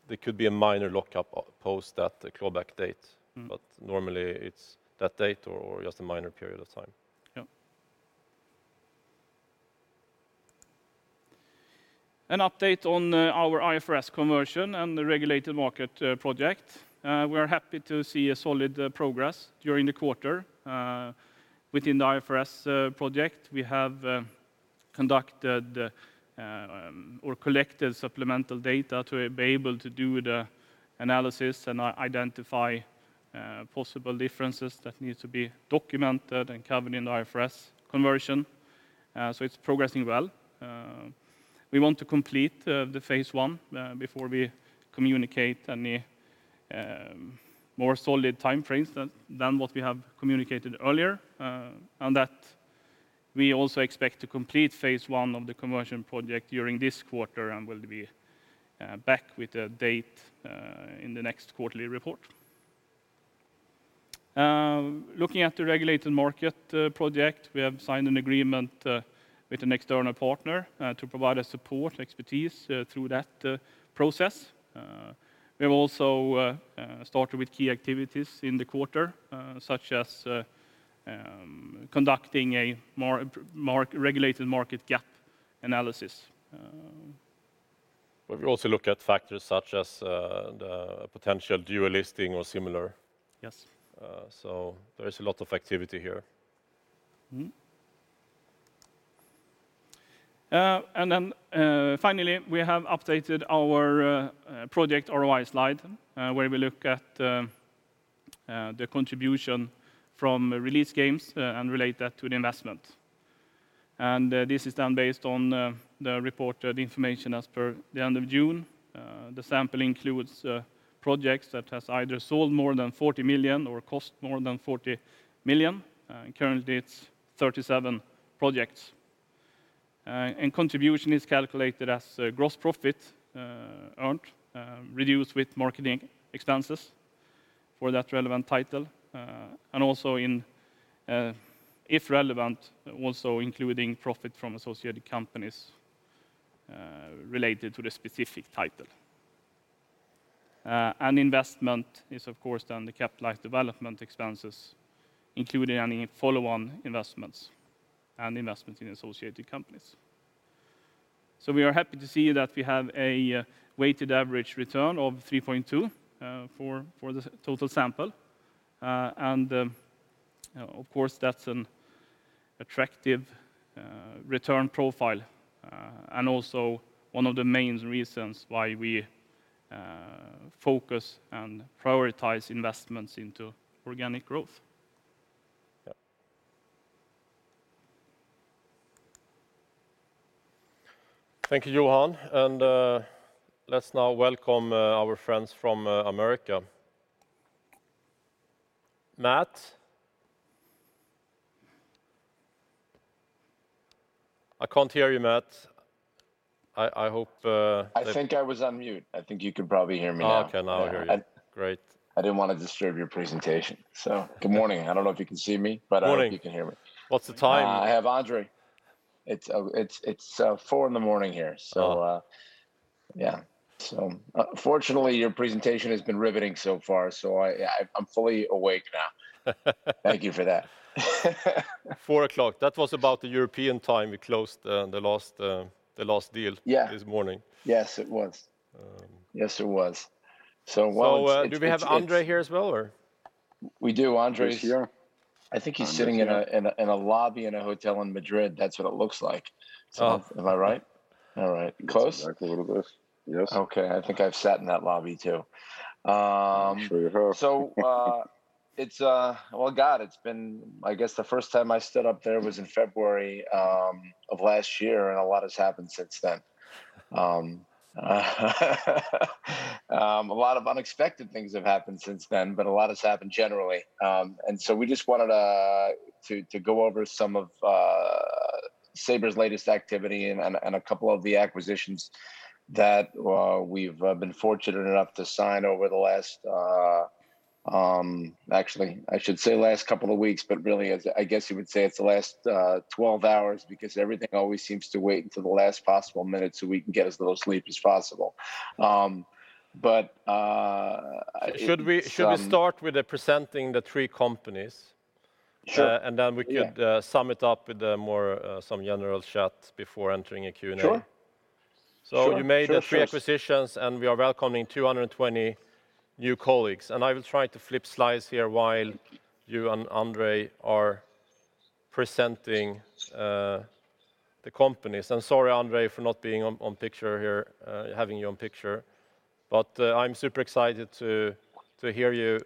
There could be a minor lockup post at the clawback date. Normally it's that date or just a minor period of time. Yep. An update on our IFRS Conversion and the Regulated Market Project. We are happy to see a solid progress during the quarter within the IFRS Project. We have conducted or collected supplemental data to be able to do the analysis and identify possible differences that need to be documented and covered in the IFRS Conversion. It's progressing well. We want to complete the phase one before we communicate any more solid time frames than what we have communicated earlier. We also expect to complete phase one of the conversion project during this quarter and will be back with a date in the next quarterly report. Looking at the Regulated Market Project, we have signed an agreement with an external partner to provide support expertise through that process. We have also started with key activities in the quarter, such as conducting a Regulated Market Gap Analysis. We've also looked at factors such as the potential dual listing or similar. Yes. There is a lot of activity here. Finally, we have updated our project ROI slide, where we look at the contribution from released games and relate that to the investment. This is done based on the reported information as per the end of June. The sample includes projects that have either sold more than 40 million or cost more than 40 million. Currently, it's 37 projects. Contribution is calculated as gross profit earned, reduced with marketing expenses for that relevant title, and also if relevant, also including profit from associated companies related to the specific title. Investment is, of course, then the capitalized development expenses, including any follow-on investments and investments in associated companies. We are happy to see that we have a weighted average return of 3.2% for the total sample. Of course, that's an attractive return profile, and also one of the main reasons why we focus and prioritize investments into organic growth. Yeah. Thank you, Johan. Let's now welcome our friends from America. Matt? I can't hear you, Matt. I think I was on mute. I think you can probably hear me now. Okay, now I hear you. Great. I didn't want to disturb your presentation, so good morning. I don't know if you can see me. Morning. I know you can hear me. What's the time? I have Andrey. It's 4:00 A.M. here. Yeah. Fortunately, your presentation has been riveting so far, so I'm fully awake now. Thank you for that. 4:00 A.M. That was about the European time we closed the last deal. Yeah this morning. Yes, it was. Do we have Andrey here as well, or? We do. He's here. I think he's sitting in a lobby in a hotel in Madrid. That's what it looks like. Oh. Am I right? All right. Close? It's dark a little bit. Yes. Okay. I think I've sat in that lobby, too. I'm sure you have. Well, God, I guess the first time I stood up there was in February of last year, and a lot has happened since then. A lot of unexpected things have happened since then, but a lot has happened generally. We just wanted to go over some of Saber's latest activity and a couple of the acquisitions that we've been fortunate enough to sign over the last, actually, I should say last couple of weeks, but really, I guess you would say it's the last 12 hours because everything always seems to wait until the last possible minute so we can get as little sleep as possible. Should we start with presenting the three companies? Sure. Yeah. We could sum it up with some general chat before entering a Q&A. Sure. You made the three acquisitions, and we are welcoming 220 new colleagues. I will try to flip slides here while you and Andrey are presenting the companies. I'm sorry, Andrey, for not having you on picture, but I'm super excited to hear you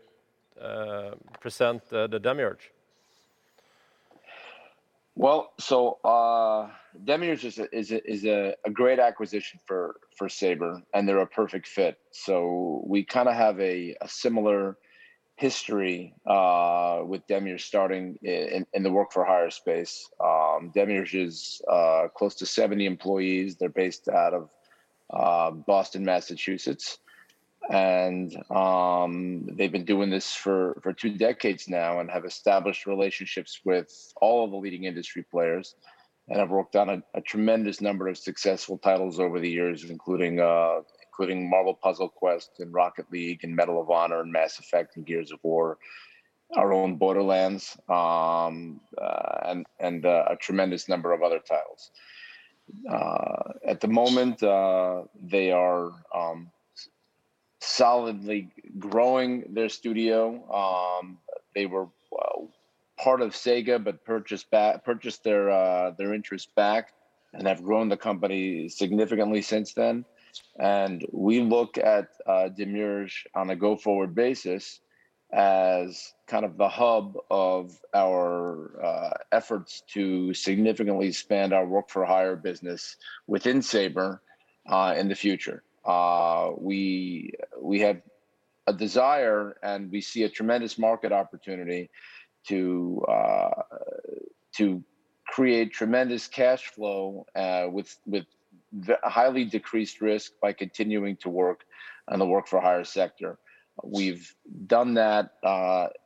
present the Demiurge. Demiurge is a great acquisition for Saber, and they're a perfect fit. We have a similar history with Demiurge starting in the work-for-hire space. Demiurge is close to 70 employees. They're based out of Boston, Massachusetts, and they've been doing this for two decades now and have established relationships with all of the leading industry players and have worked on a tremendous number of successful titles over the years, including "Marvel Puzzle Quest" and "Rocket League" and "Medal of Honor" and "Mass Effect" and "Gears of War," our own "Borderlands," and a tremendous number of other titles. At the moment, they are solidly growing their studio. They were part of Sega, but purchased their interest back and have grown the company significantly since then. We look at Demiurge on a go-forward basis as the hub of our efforts to significantly expand our work-for-hire business within Saber in the future. We have a desire, and we see a tremendous market opportunity to create tremendous cash flow with highly decreased risk by continuing to work in the work-for-hire sector. We've done that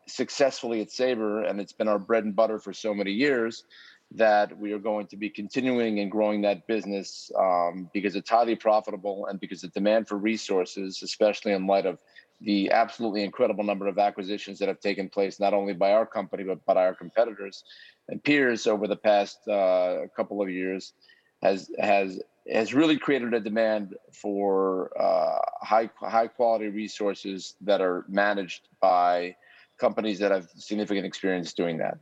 successfully at Saber, and it's been our bread and butter for so many years that we are going to be continuing and growing that business because it's highly profitable and because the demand for resources, especially in light of the absolutely incredible number of acquisitions that have taken place, not only by our company but by our competitors and peers over the past couple of years, has really created a demand for high-quality resources that are managed by companies that have significant experience doing that.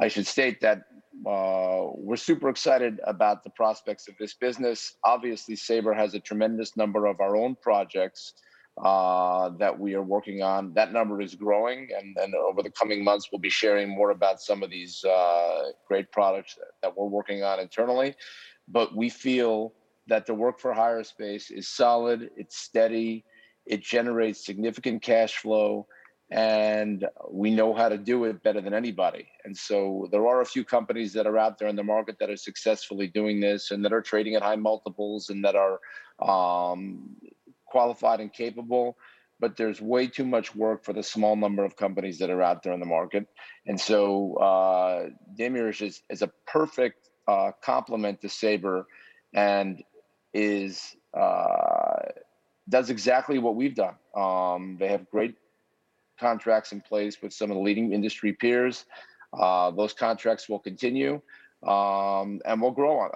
I should state that we're super excited about the prospects of this business. Obviously, Saber has a tremendous number of our own projects that we are working on. That number is growing, and over the coming months, we'll be sharing more about some of these great products that we're working on internally. We feel that the work-for-hire space is solid, it's steady, it generates significant cash flow, and we know how to do it better than anybody. There are a few companies that are out there in the market that are successfully doing this and that are trading at high multiples and that are qualified and capable, but there's way too much work for the small number of companies that are out there in the market. Demiurge Studios is a perfect complement to Saber and does exactly what we've done. They have great contracts in place with some of the leading industry peers. Those contracts will continue, and we'll grow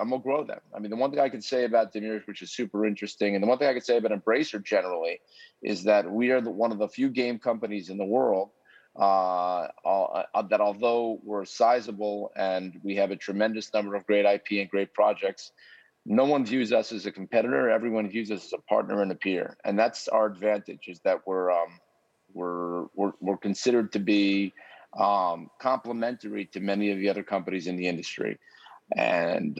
them. The one thing I can say about Demiurge which is super interesting, and the one thing I can say about Embracer generally, is that we are one of the few game companies in the world that although we're sizable and we have a tremendous number of great IP and great projects, no one views us as a competitor. Everyone views us as a partner and a peer, and that's our advantage is that we're considered to be complementary to many of the other companies in the industry, and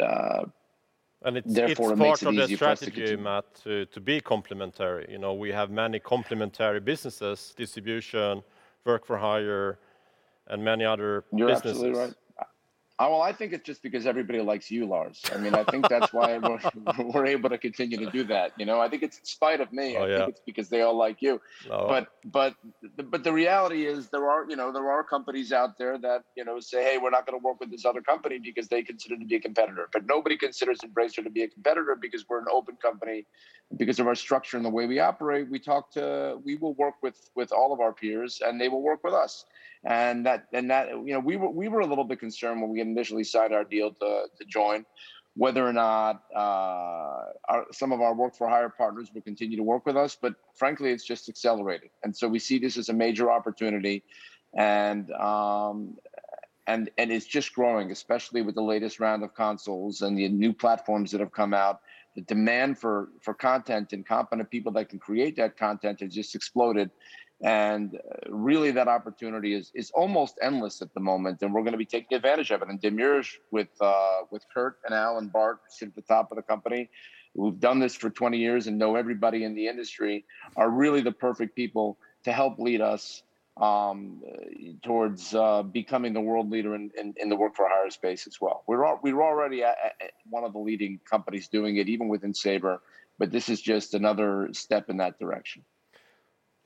therefore it makes it easy for us to. It's part of the strategy, Matt, to be complementary. We have many complementary businesses, distribution, work for hire, and many other businesses. You're absolutely right. Well, I think it's just because everybody likes you, Lars. I think that's why we're able to continue to do that. I think it's in spite of me. Oh, yeah. I think it's because they all like you. No. The reality is there are companies out there that say, "Hey, we're not going to work with this other company," because they consider them to be a competitor. Nobody considers Embracer to be a competitor because we're an open company, because of our structure and the way we operate. We will work with all of our peers, and they will work with us. We were a little bit concerned when we initially signed our deal to join whether or not some of our work-for-hire partners would continue to work with us, but frankly, it's just accelerated. We see this as a major opportunity, and it's just growing, especially with the latest round of consoles and the new platforms that have come out. The demand for content and competent people that can create that content has just exploded, and really that opportunity is almost endless at the moment, and we're going to be taking advantage of it. Demiurge with Kurt and Al and Bart sit at the top of the company who've done this for 20 years and know everybody in the industry, are really the perfect people to help lead us towards becoming the world leader in the work-for-hire space as well. We're already one of the leading companies doing it, even within Saber, but this is just another step in that direction.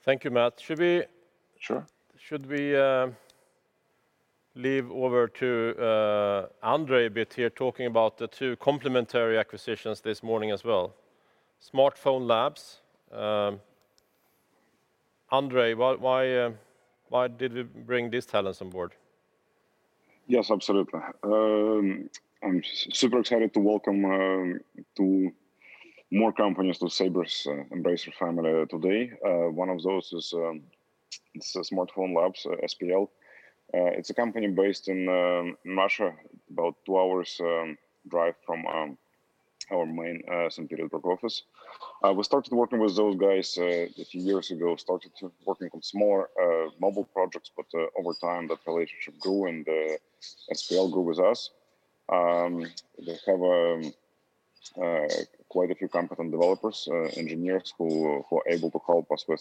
Thank you, Matt. Sure. Should we leave over to Andrey a bit here talking about the two complementary acquisitions this morning as well? SmartPhone Labs. Andrey, why did we bring these talents on board? Yes, absolutely. I am super excited to welcome two more companies to Saber's Embracer family today. One of those is SmartPhone Labs, SPL. It is a company based in Russia, about a two-hour drive from our main Saint Petersburg office. We started working with those guys a few years ago, started working on some more mobile projects, but over time, that relationship grew, and SPL grew with us. They have quite a few competent developers, engineers who are able to help us with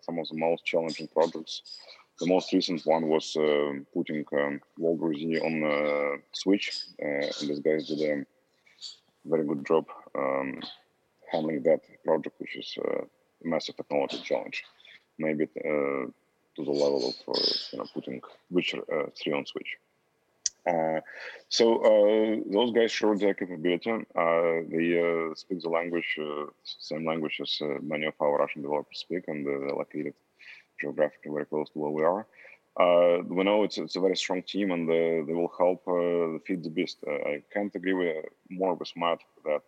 some of the most challenging projects. The most recent one was putting "World War Z" on the Nintendo Switch, and these guys did a very good job handling that project, which is a massive technology challenge, maybe to the level of putting "The Witcher 3" on Nintendo Switch. Those guys showed their capability. They speak the same language as many of our Russian developers speak, and they're located geographically very close to where we are. We know it's a very strong team, and they will help feed the beast. I can't agree more with Matt that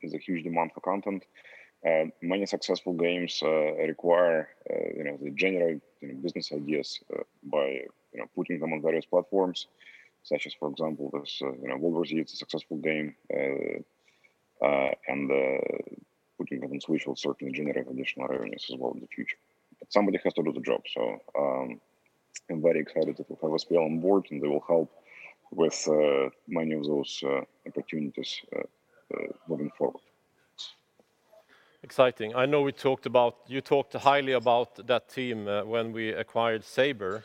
there's a huge demand for content, and many successful games require the general business ideas by putting them on various platforms, such as, for example, "World War Z." It's a successful game, and putting it on Switch will certainly generate additional earnings as well in the future. Somebody has to do the job, so I'm very excited to have SPL on board, and they will help with many of those opportunities moving forward. Exciting. I know you talked highly about that team when we acquired Saber,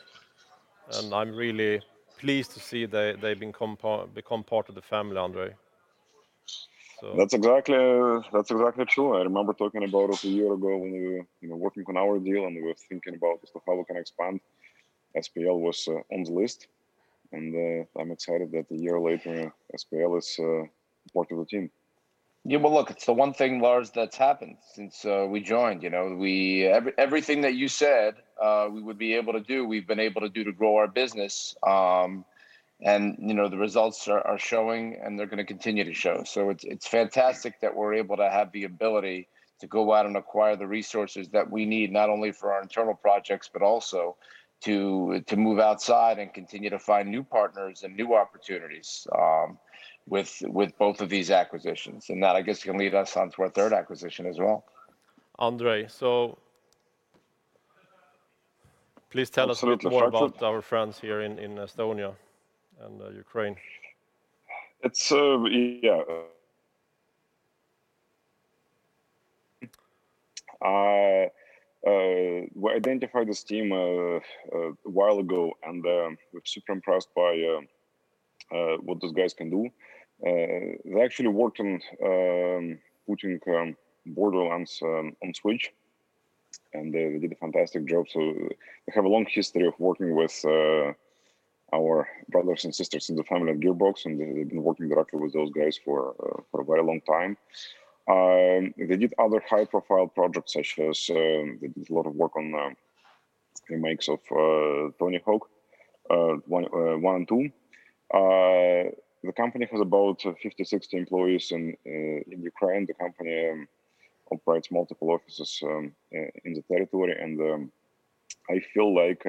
and I'm really pleased to see they've become part of the family, Andrey. That's exactly true. I remember talking about it a year ago when we were working on our deal. We were thinking about just how we can expand. SPL was on the list. I'm excited that a year later, SPL is part of the team. Yeah, look, it's the one thing, Lars, that's happened since we joined. Everything that you said we would be able to do, we've been able to do to grow our business. The results are showing, and they're going to continue to show. It's fantastic that we're able to have the ability to go out and acquire the resources that we need, not only for our internal projects, but also to move outside and continue to find new partners and new opportunities with both of these acquisitions. That, I guess, can lead us onto our third acquisition as well. Andrey, please tell us a little more about our friends here in Estonia and Ukraine. Yeah. We identified this team a while ago, and we're super impressed by what those guys can do. They actually worked on putting Borderlands on Switch, and they did a fantastic job. They have a long history of working with our brothers and sisters in the family of Gearbox, and they've been working directly with those guys for a very long time. They did other high-profile projects, such as they did a lot of work on remakes of Tony Hawk, one and two. The company has about 50, 60 employees in Ukraine. The company operates multiple offices in the territory, and I feel like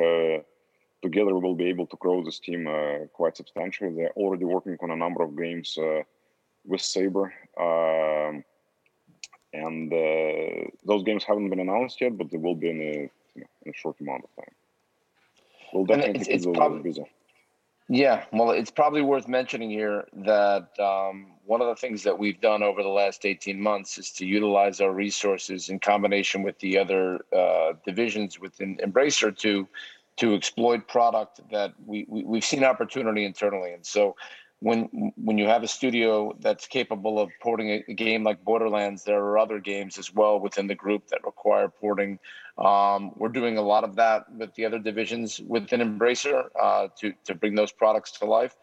together we'll be able to grow this team quite substantially. They're already working on a number of games with Saber, and those games haven't been announced yet, but they will be in a short amount of time. It's probably worth mentioning here that one of the things that we've done over the last 18 months is to utilize our resources in combination with the other divisions within Embracer to exploit product that we've seen opportunity internally in. When you have a studio that's capable of porting a game like Borderlands, there are other games as well within the group that require porting. We're doing a lot of that with the other divisions within Embracer to bring those products to life,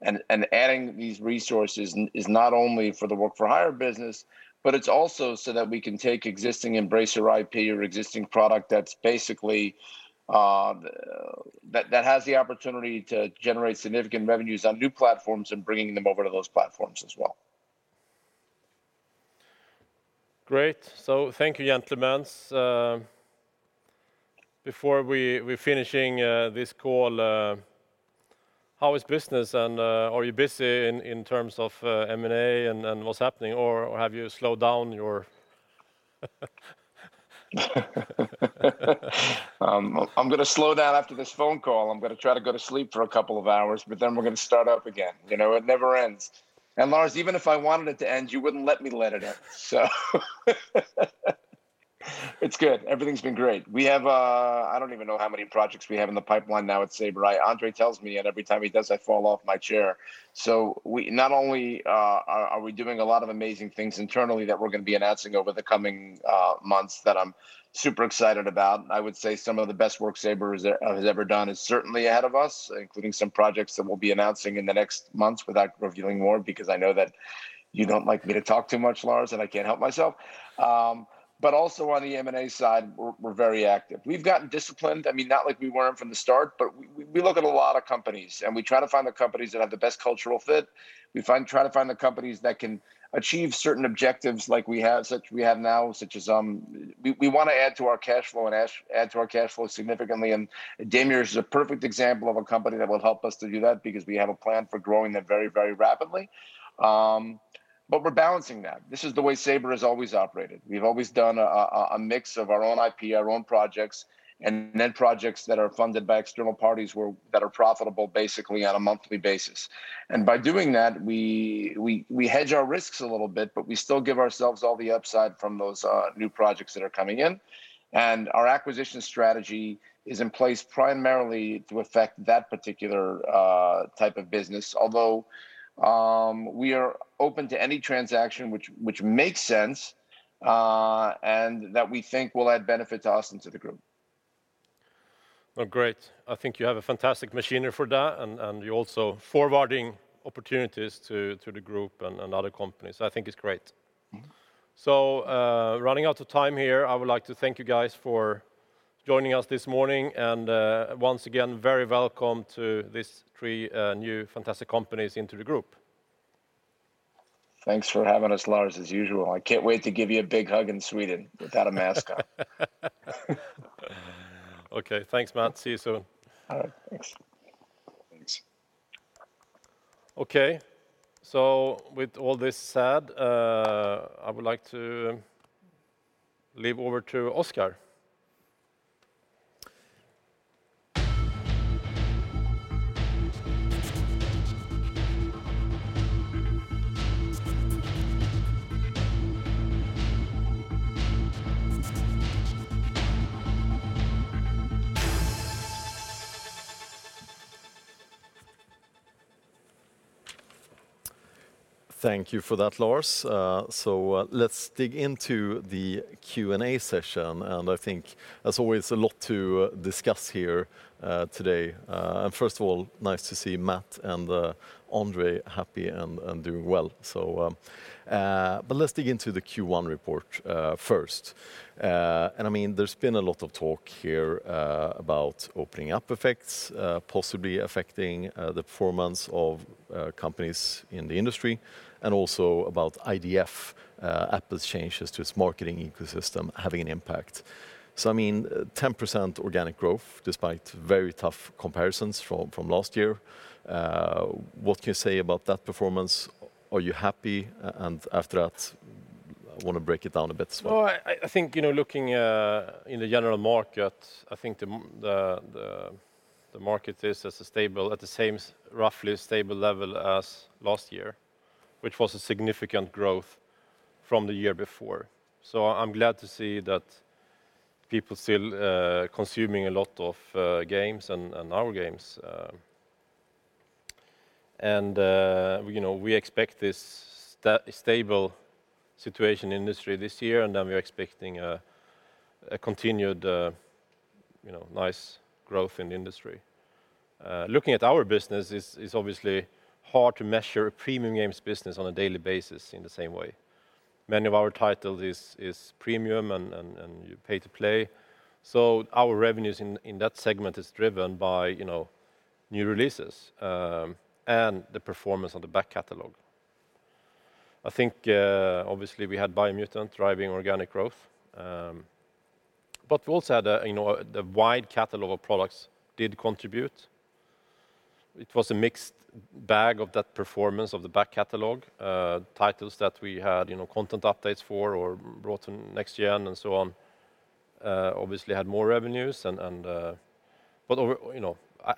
and adding these resources is not only for the work-for-hire business, but it's also so that we can take existing Embracer IP or existing product that has the opportunity to generate significant revenues on new platforms and bringing them over to those platforms as well. Great. Thank you, gentlemen. Before we're finishing this call, how is business, and are you busy in terms of M&A and what's happening, or have you slowed down your? I'm going to slow down after this phone call. I'm going to try to go to sleep for two hours, but then we're going to start up again. It never ends. Lars, even if I wanted it to end, you wouldn't let me let it end, so it's good. Everything's been great. I don't even know how many projects we have in the pipeline now at Saber. Andrey tells me, and every time he does, I fall off my chair. Not only are we doing a lot of amazing things internally that we're going to be announcing over the coming months that I'm super excited about, I would say some of the best work Saber has ever done is certainly ahead of us, including some projects that we'll be announcing in the next months without revealing more because I know that you don't like me to talk too much, Lars, and I can't help myself. Also on the M&A side, we're very active. We've gotten disciplined. Not like we weren't from the start, but we look at a lot of companies, and we try to find the companies that have the best cultural fit. We try to find the companies that can achieve certain objectives like we have now. We want to add to our cash flow and add to our cash flow significantly. Demiurge is a perfect example of a company that will help us to do that because we have a plan for growing that very rapidly. We're balancing that. This is the way Saber has always operated. We've always done a mix of our own IP, our own projects, then projects that are funded by external parties that are profitable basically on a monthly basis. By doing that, we hedge our risks a little bit, we still give ourselves all the upside from those new projects that are coming in. Our acquisition strategy is in place primarily to affect that particular type of business, although we are open to any transaction which makes sense and that we think will add benefit to us and to the group. Well, great. I think you have a fantastic machinery for that, and you are also forwarding opportunities to the group and other companies. I think it is great. Running out of time here. I would like to thank you guys for joining us this morning, and once again, very welcome to these three new fantastic companies into the group. Thanks for having us, Lars, as usual. I can't wait to give you a big hug in Sweden without a mask on. Okay, thanks, Matt. See you soon. All right, thanks. Thanks Okay. With all this said, I would like to leave over to Oscar. Thank you for that, Lars. Let's dig into the Q&A session. I think as always, a lot to discuss here today. First of all, nice to see Matt and Andrey happy and doing well. Let's dig into the Q1 report first. There's been a lot of talk here about opening up effects possibly affecting the performance of companies in the industry, and also about IDFA, Apple's changes to its marketing ecosystem having an impact. 10% organic growth despite very tough comparisons from last year. What can you say about that performance? Are you happy? After that, I want to break it down a bit as well. Well, I think, looking in the general market, I think the market is at the same roughly stable level as last year, which was a significant growth from the year before. I'm glad to see that people still consuming a lot of games and our games. We expect this stable situation in industry this year, and then we are expecting a continued nice growth in the industry. Looking at our business, it's obviously hard to measure a premium games business on a daily basis in the same way. Many of our titles is premium and you pay to play. Our revenues in that segment is driven by new releases, and the performance on the back catalog. I think, obviously we had Biomutant driving organic growth. We also had a wide catalog of products did contribute. It was a mixed bag of that performance of the back catalog, titles that we had content updates for or brought to next-gen and so on, obviously had more revenues. I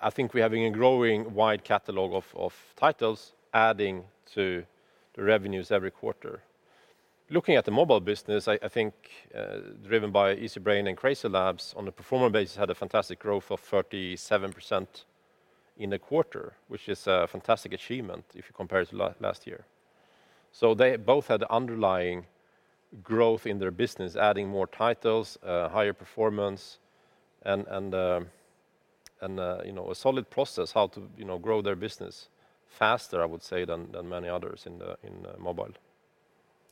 think we're having a growing wide catalog of titles adding to the revenues every quarter. Looking at the mobile business, I think, driven by Easybrain and CrazyLabs on a pro forma basis, had a fantastic growth of 37% in a quarter, which is a fantastic achievement if you compare it to last year. They both had underlying growth in their business, adding more titles, higher performance, and a solid process how to grow their business faster, I would say, than many others in mobile.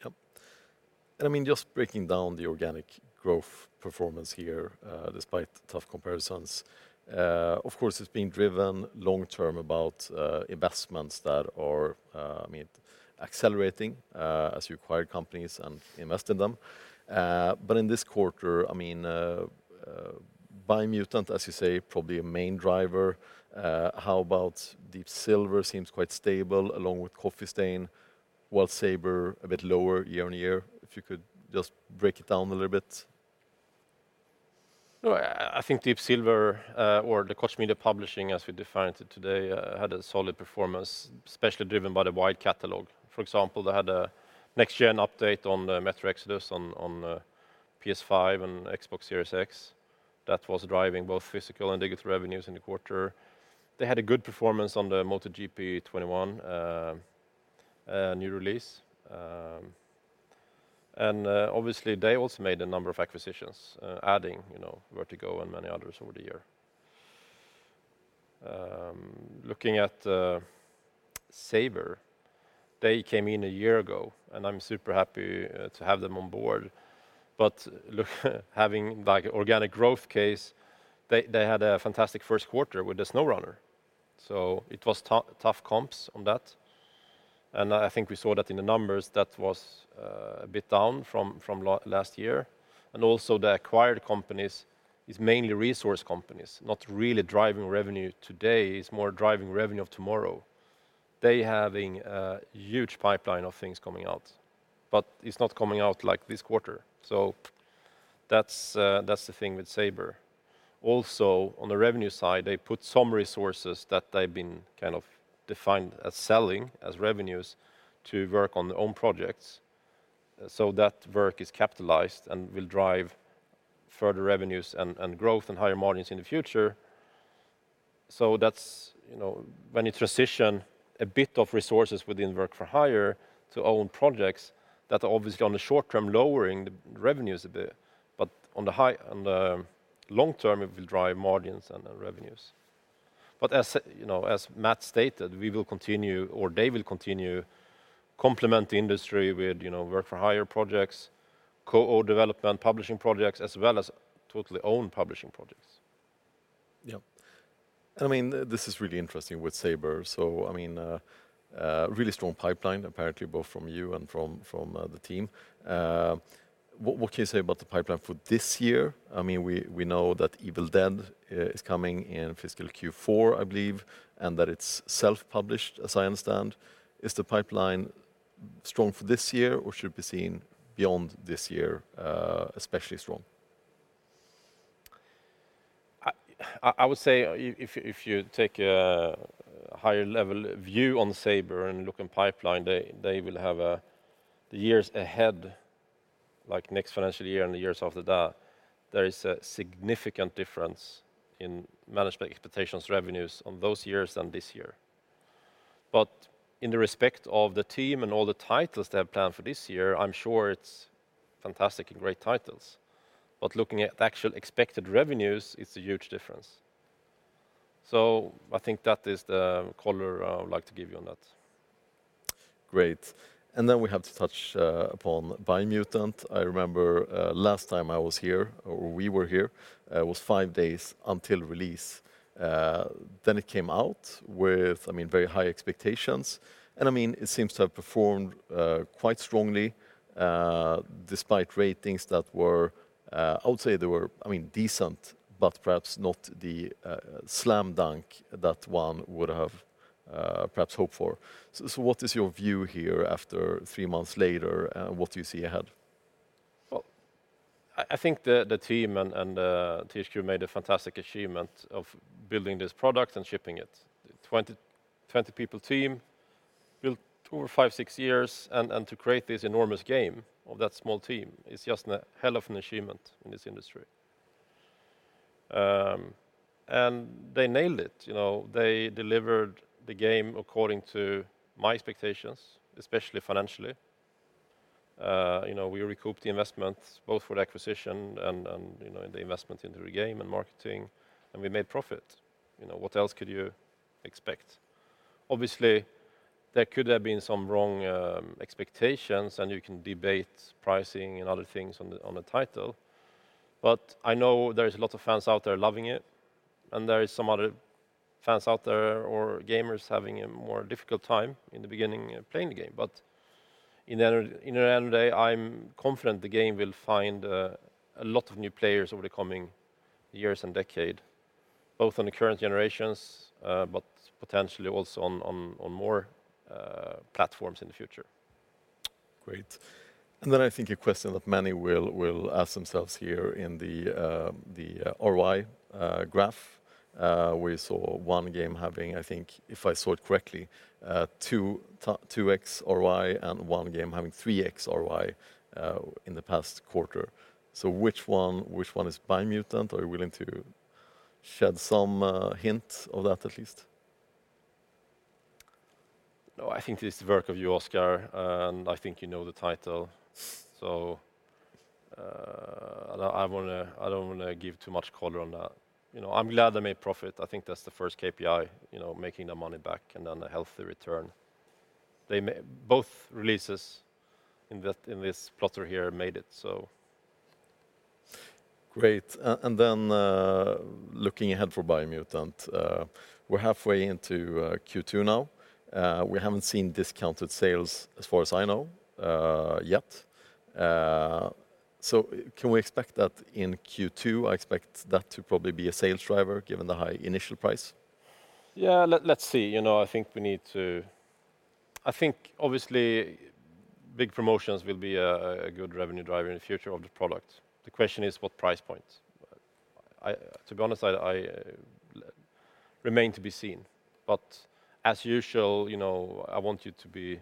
Yep. Just breaking down the organic growth performance here, despite tough comparisons, of course, it's being driven long term about investments that are accelerating as you acquire companies and invest in them. In this quarter, Biomutant, as you say, probably a main driver. How about Deep Silver seems quite stable along with Coffee Stain, while Saber a bit lower year-on-year. If you could just break it down a little bit? I think Deep Silver, or the Koch Media publishing, as we defined it today, had a solid performance, especially driven by the wide catalog. For example, they had a next-gen update on the "Metro Exodus" on PS5 and Xbox Series X. That was driving both physical and digital revenues in the quarter. They had a good performance on the "MotoGP 21" new release. Obviously they also made a number of acquisitions, adding Vertigo and many others over the year. Looking at Saber, they came in a year ago, and I'm super happy to have them on board. Look, having organic growth case, they had a fantastic first quarter with the "SnowRunner," so it was tough comps on that. I think we saw that in the numbers that was a bit down from last year. Also the acquired companies is mainly resource companies, not really driving revenue today. It's more driving revenue of tomorrow. They having a huge pipeline of things coming out, it's not coming out like this quarter. That's the thing with Saber. Also, on the revenue side, they put some resources that they've been kind of defined as selling as revenues to work on their own projects. That work is capitalized and will drive further revenues and growth and higher margins in the future. That's when you transition a bit of resources within work-for-hire to own projects that are obviously on the short term lowering the revenues a bit. On the long term, it will drive margins and the revenues. As Matt stated, they will continue complement the industry with work-for-hire projects, co-development publishing projects, as well as totally own publishing projects. Yeah. This is really interesting with Saber, really strong pipeline, apparently both from you and from the team. What can you say about the pipeline for this year? We know that Evil Dead is coming in fiscal Q4, I believe, and that it's self-published, as I understand. Is the pipeline strong for this year, or should it be seen beyond this year, especially strong? I would say if you take a higher level view on Saber and look at pipeline, they will have the years ahead, like next financial year and the years after that. There is a significant difference in management expectations revenues on those years and this year. In the respect of the team and all the titles they have planned for this year, I'm sure it's fantastic and great titles. Looking at the actual expected revenues, it's a huge difference. I think that is the color I would like to give you on that. Great. Then we have to touch upon Biomutant. I remember last time I was here, or we were here, it was five days until release. It came out with very high expectations, and it seems to have performed quite strongly despite ratings that were, I would say, decent, but perhaps not the slam dunk that one would have perhaps hoped for. What is your view here after three months later, and what do you see ahead? I think the team and THQ made a fantastic achievement of building this product and shipping it. 20-person team built over five, six years, and to create this enormous game of that small team is just a hell of an achievement in this industry. They nailed it. They delivered the game according to my expectations, especially financially. We recouped the investment both for the acquisition and the investment into the game and marketing, and we made profit. What else could you expect? Obviously, there could have been some wrong expectations, and you can debate pricing and other things on the title. I know there is a lot of fans out there loving it, and there is some other fans out there, or gamers, having a more difficult time in the beginning playing the game. In the end of the day, I'm confident the game will find a lot of new players over the coming years and decade, both on the current generations, but potentially also on more platforms in the future. Great. I think a question that many will ask themselves here in the ROI graph, we saw one game having, I think if I saw it correctly, 2x ROI and one game having 3x ROI in the past quarter. Which one is "Biomutant"? Are you willing to shed some hint of that at least? No, I think this is the work of you, Oscar, and I think you know the title. I don't want to give too much color on that. I'm glad they made profit. I think that's the first KPI, making the money back and on a healthy return. Both releases in this quarter here made it, so. Great. Looking ahead for Biomutant. We're halfway into Q2 now. We haven't seen discounted sales as far as I know yet. Can we expect that in Q2? I expect that to probably be a sales driver given the high initial price. Yeah, let's see. I think obviously big promotions will be a good revenue driver in the future of the product. The question is what price point? To be honest, it remains to be seen. As usual, I want you to be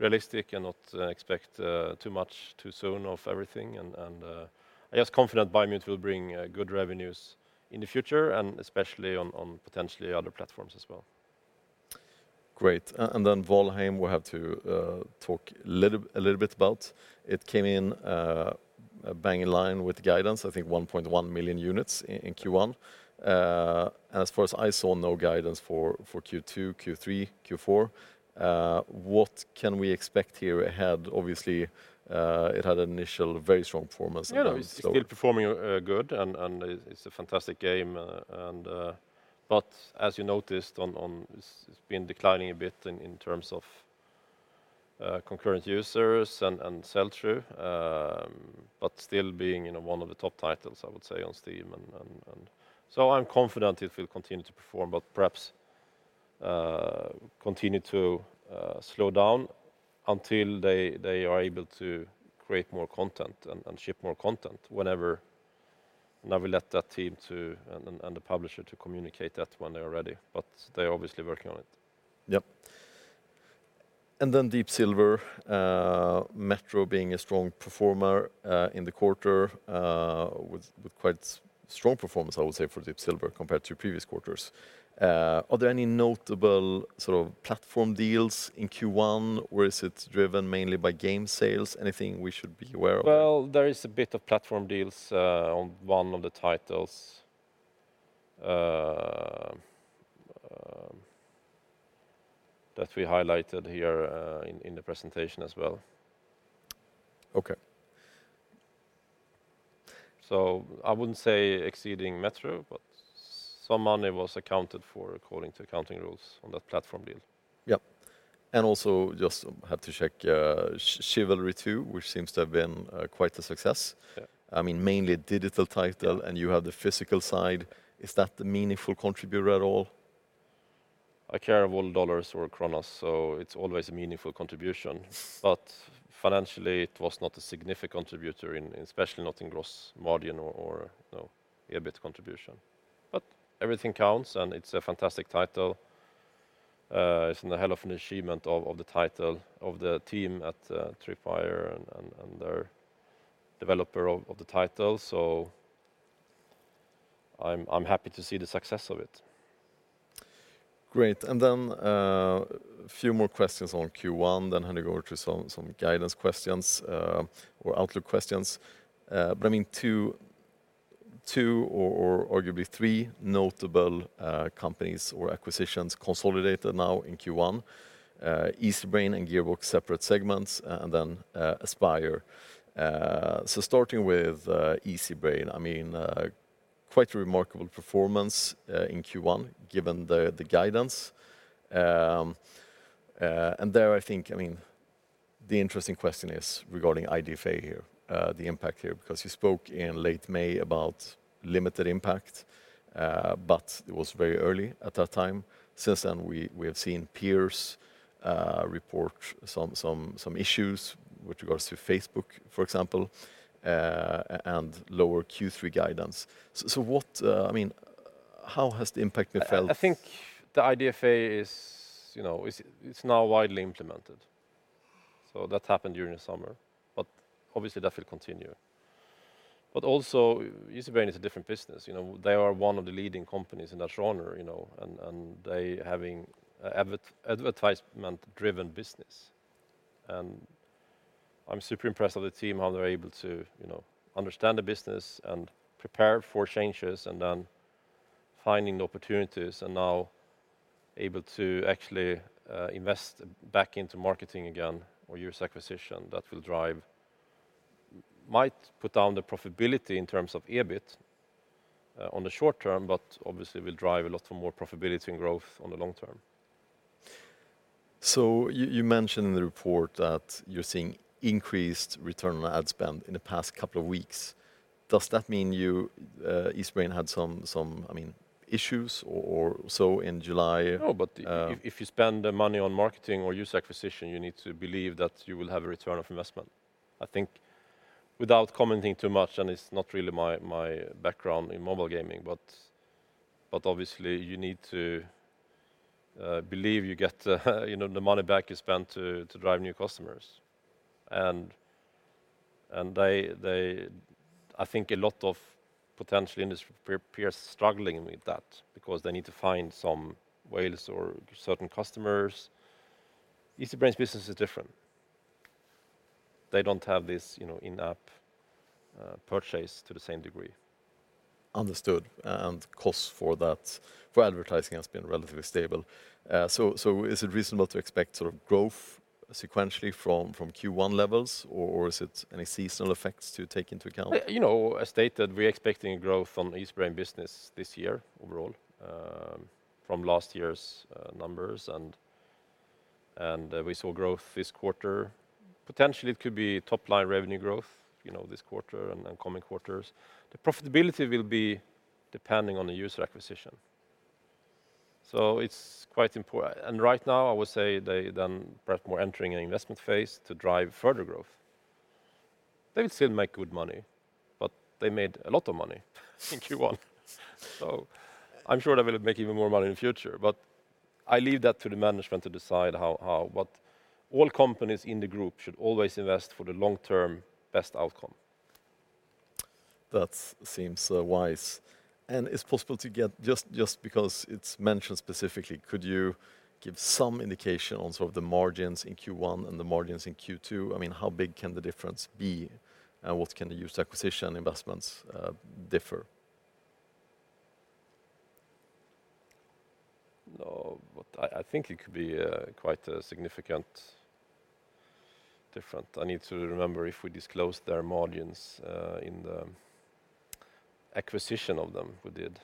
realistic and not expect too much too soon of everything, and I guess confident Biomutant will bring good revenues in the future and especially on potentially other platforms as well. Great. "Valheim" we'll have to talk a little bit about. It came in bang in line with guidance, I think 1.1 million units in Q1. As far as I saw, no guidance for Q2, Q3, Q4. What can we expect here ahead? Obviously, it had initial very strong performance. Yeah, it's still performing good, and it's a fantastic game. As you noticed, it's been declining a bit in terms of concurrent users and sell-through. Still being one of the top titles, I would say, on Steam, and so I'm confident it will continue to perform, but perhaps continue to slow down until they are able to create more content and ship more content whenever. I will let that team and the publisher to communicate that when they are ready. They're obviously working on it. Yep. Deep Silver, "Metro" being a strong performer in the quarter, with quite strong performance, I would say, for Deep Silver compared to previous quarters. Are there any notable sort of platform deals in Q1, or is it driven mainly by game sales? Anything we should be aware of? Well, there is a bit of platform deals on one of the titles that we highlighted here in the presentation as well. Okay I wouldn't say exceeding Metro, but some money was accounted for according to accounting rules on that platform deal. Yep. Also just had to check, Chivalry 2, which seems to have been quite a success. Yeah. Mainly digital title, and you have the physical side. Is that the meaningful contributor at all? I care of all dollars or kronas, so it's always a meaningful contribution. Financially, it was not a significant contributor, especially not in gross margin or- No EBIT contribution. Everything counts, and it's a fantastic title. It's a hell of an achievement of the title, of the team at Tripwire and their developer of the title. I'm happy to see the success of it. Great. A few more questions on Q1, then I'm going to go to some guidance questions or outlook questions. Two or arguably three notable companies or acquisitions consolidated now in Q1. Easybrain and Gearbox, separate segments, Aspyr. Starting with Easybrain, quite a remarkable performance in Q1 given the guidance. I think, the interesting question is regarding IDFA here, the impact here, because you spoke in late May about limited impact, it was very early at that time. We have seen peers report some issues with regards to Facebook, for example, and lower Q3 guidance. How has the impact been felt? I think the IDFA is now widely implemented. That's happened during the summer, but obviously that will continue. Also, Easybrain is a different business. They are one of the leading companies in that genre, and they having advertisement-driven business. I'm super impressed with the team, how they're able to understand the business and prepare for changes and then finding the opportunities and now able to actually invest back into marketing again or use acquisition that might put down the profitability in terms of EBIT on the short-term, but obviously will drive a lot more profitability and growth on the long term. You mention in the report that you're seeing increased return on ad spend in the past couple of weeks. Does that mean Easybrain had some issues or so in July? If you spend the money on marketing or user acquisition, you need to believe that you will have a return on investment. I think without commenting too much, and it is not really my background in mobile gaming, but obviously you need to believe you get the money back you spend to drive new customers. I think a lot of potential industry peers are struggling with that because they need to find some whales or certain customers. Easybrain's business is different. They do not have this in-app purchase to the same degree. Understood, and costs for advertising has been relatively stable. Is it reasonable to expect sort of growth sequentially from Q1 levels, or is it any seasonal effects to take into account? I stated we're expecting growth from Easybrain business this year overall, from last year's numbers, and we saw growth this quarter. Potentially, it could be top-line revenue growth this quarter and coming quarters. The profitability will be depending on the user acquisition. It's quite important. Right now, I would say they then perhaps more entering an investment phase to drive further growth. They will still make good money, but they made a lot of money in Q1. I'm sure they will make even more money in the future, but I leave that to the management to decide how. All companies in the group should always invest for the long-term best outcome. That seems wise. It's possible to get, just because it's mentioned specifically, could you give some indication on sort of the margins in Q1 and the margins in Q2? How big can the difference be, and what can the user acquisition investments differ? I think it could be quite a significant different. I need to remember if we disclosed their margins in the acquisition of them. We did.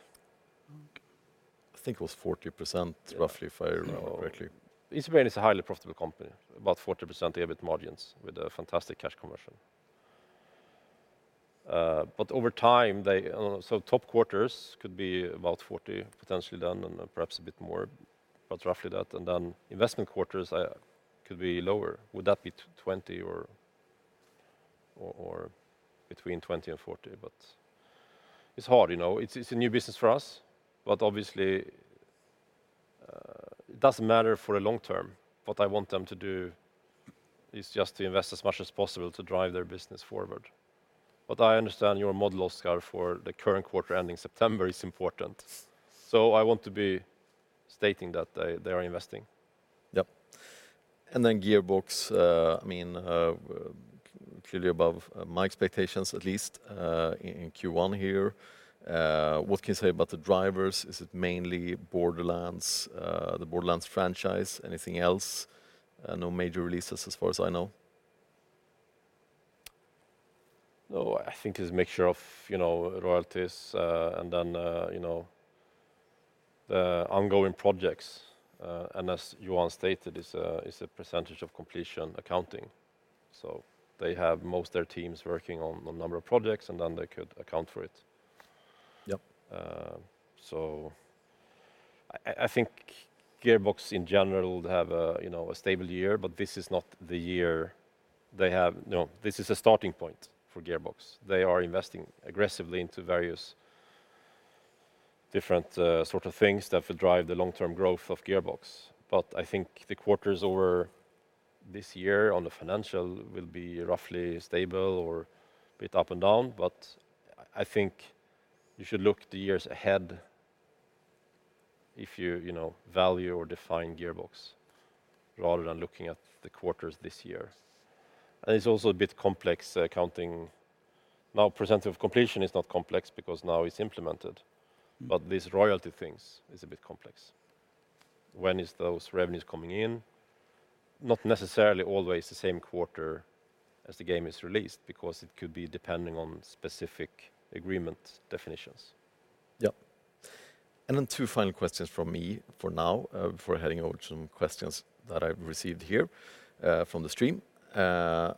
I think it was 40%- Yeah roughly if I remember correctly. Easybrain is a highly profitable company, about 40% EBIT margins with a fantastic cash conversion. Top quarters could be about 40% potentially then and perhaps a bit more, but roughly that. Then investment quarters could be lower. Would that be 20% or between 20%-40%? It's hard. It's a new business for us, but obviously, it doesn't matter for the long term. What I want them to do is just to invest as much as possible to drive their business forward. I understand your model, Oscar, for the current quarter ending September is important. I want to be stating that they are investing. Yep. Then Gearbox, clearly above my expectations, at least, in Q1 here. What can you say about the drivers? Is it mainly "Borderlands," the "Borderlands" franchise? Anything else? No major releases as far as I know. No, I think it's a mixture of royalties and then the ongoing projects, and as Johan stated, it's a percentage of completion accounting. They have most of their teams working on a number of projects, and then they could account for it. Yep. I think Gearbox, in general, have a stable year, but this is a starting point for Gearbox. They are investing aggressively into various different sorts of things that will drive the long-term growth of Gearbox. I think the quarters over this year on the financial will be roughly stable or a bit up and down, but I think you should look at the years ahead if you value or define Gearbox, rather than looking at the quarters this year. It's also a bit complex accounting now. Percentage of completion is not complex because now it's implemented, but these royalty things is a bit complex. When are those revenues coming in? Not necessarily always the same quarter as the game is released, because it could be depending on specific agreement definitions. Yeah. Two final questions from me for now, before heading over to some questions that I've received here from the stream. Just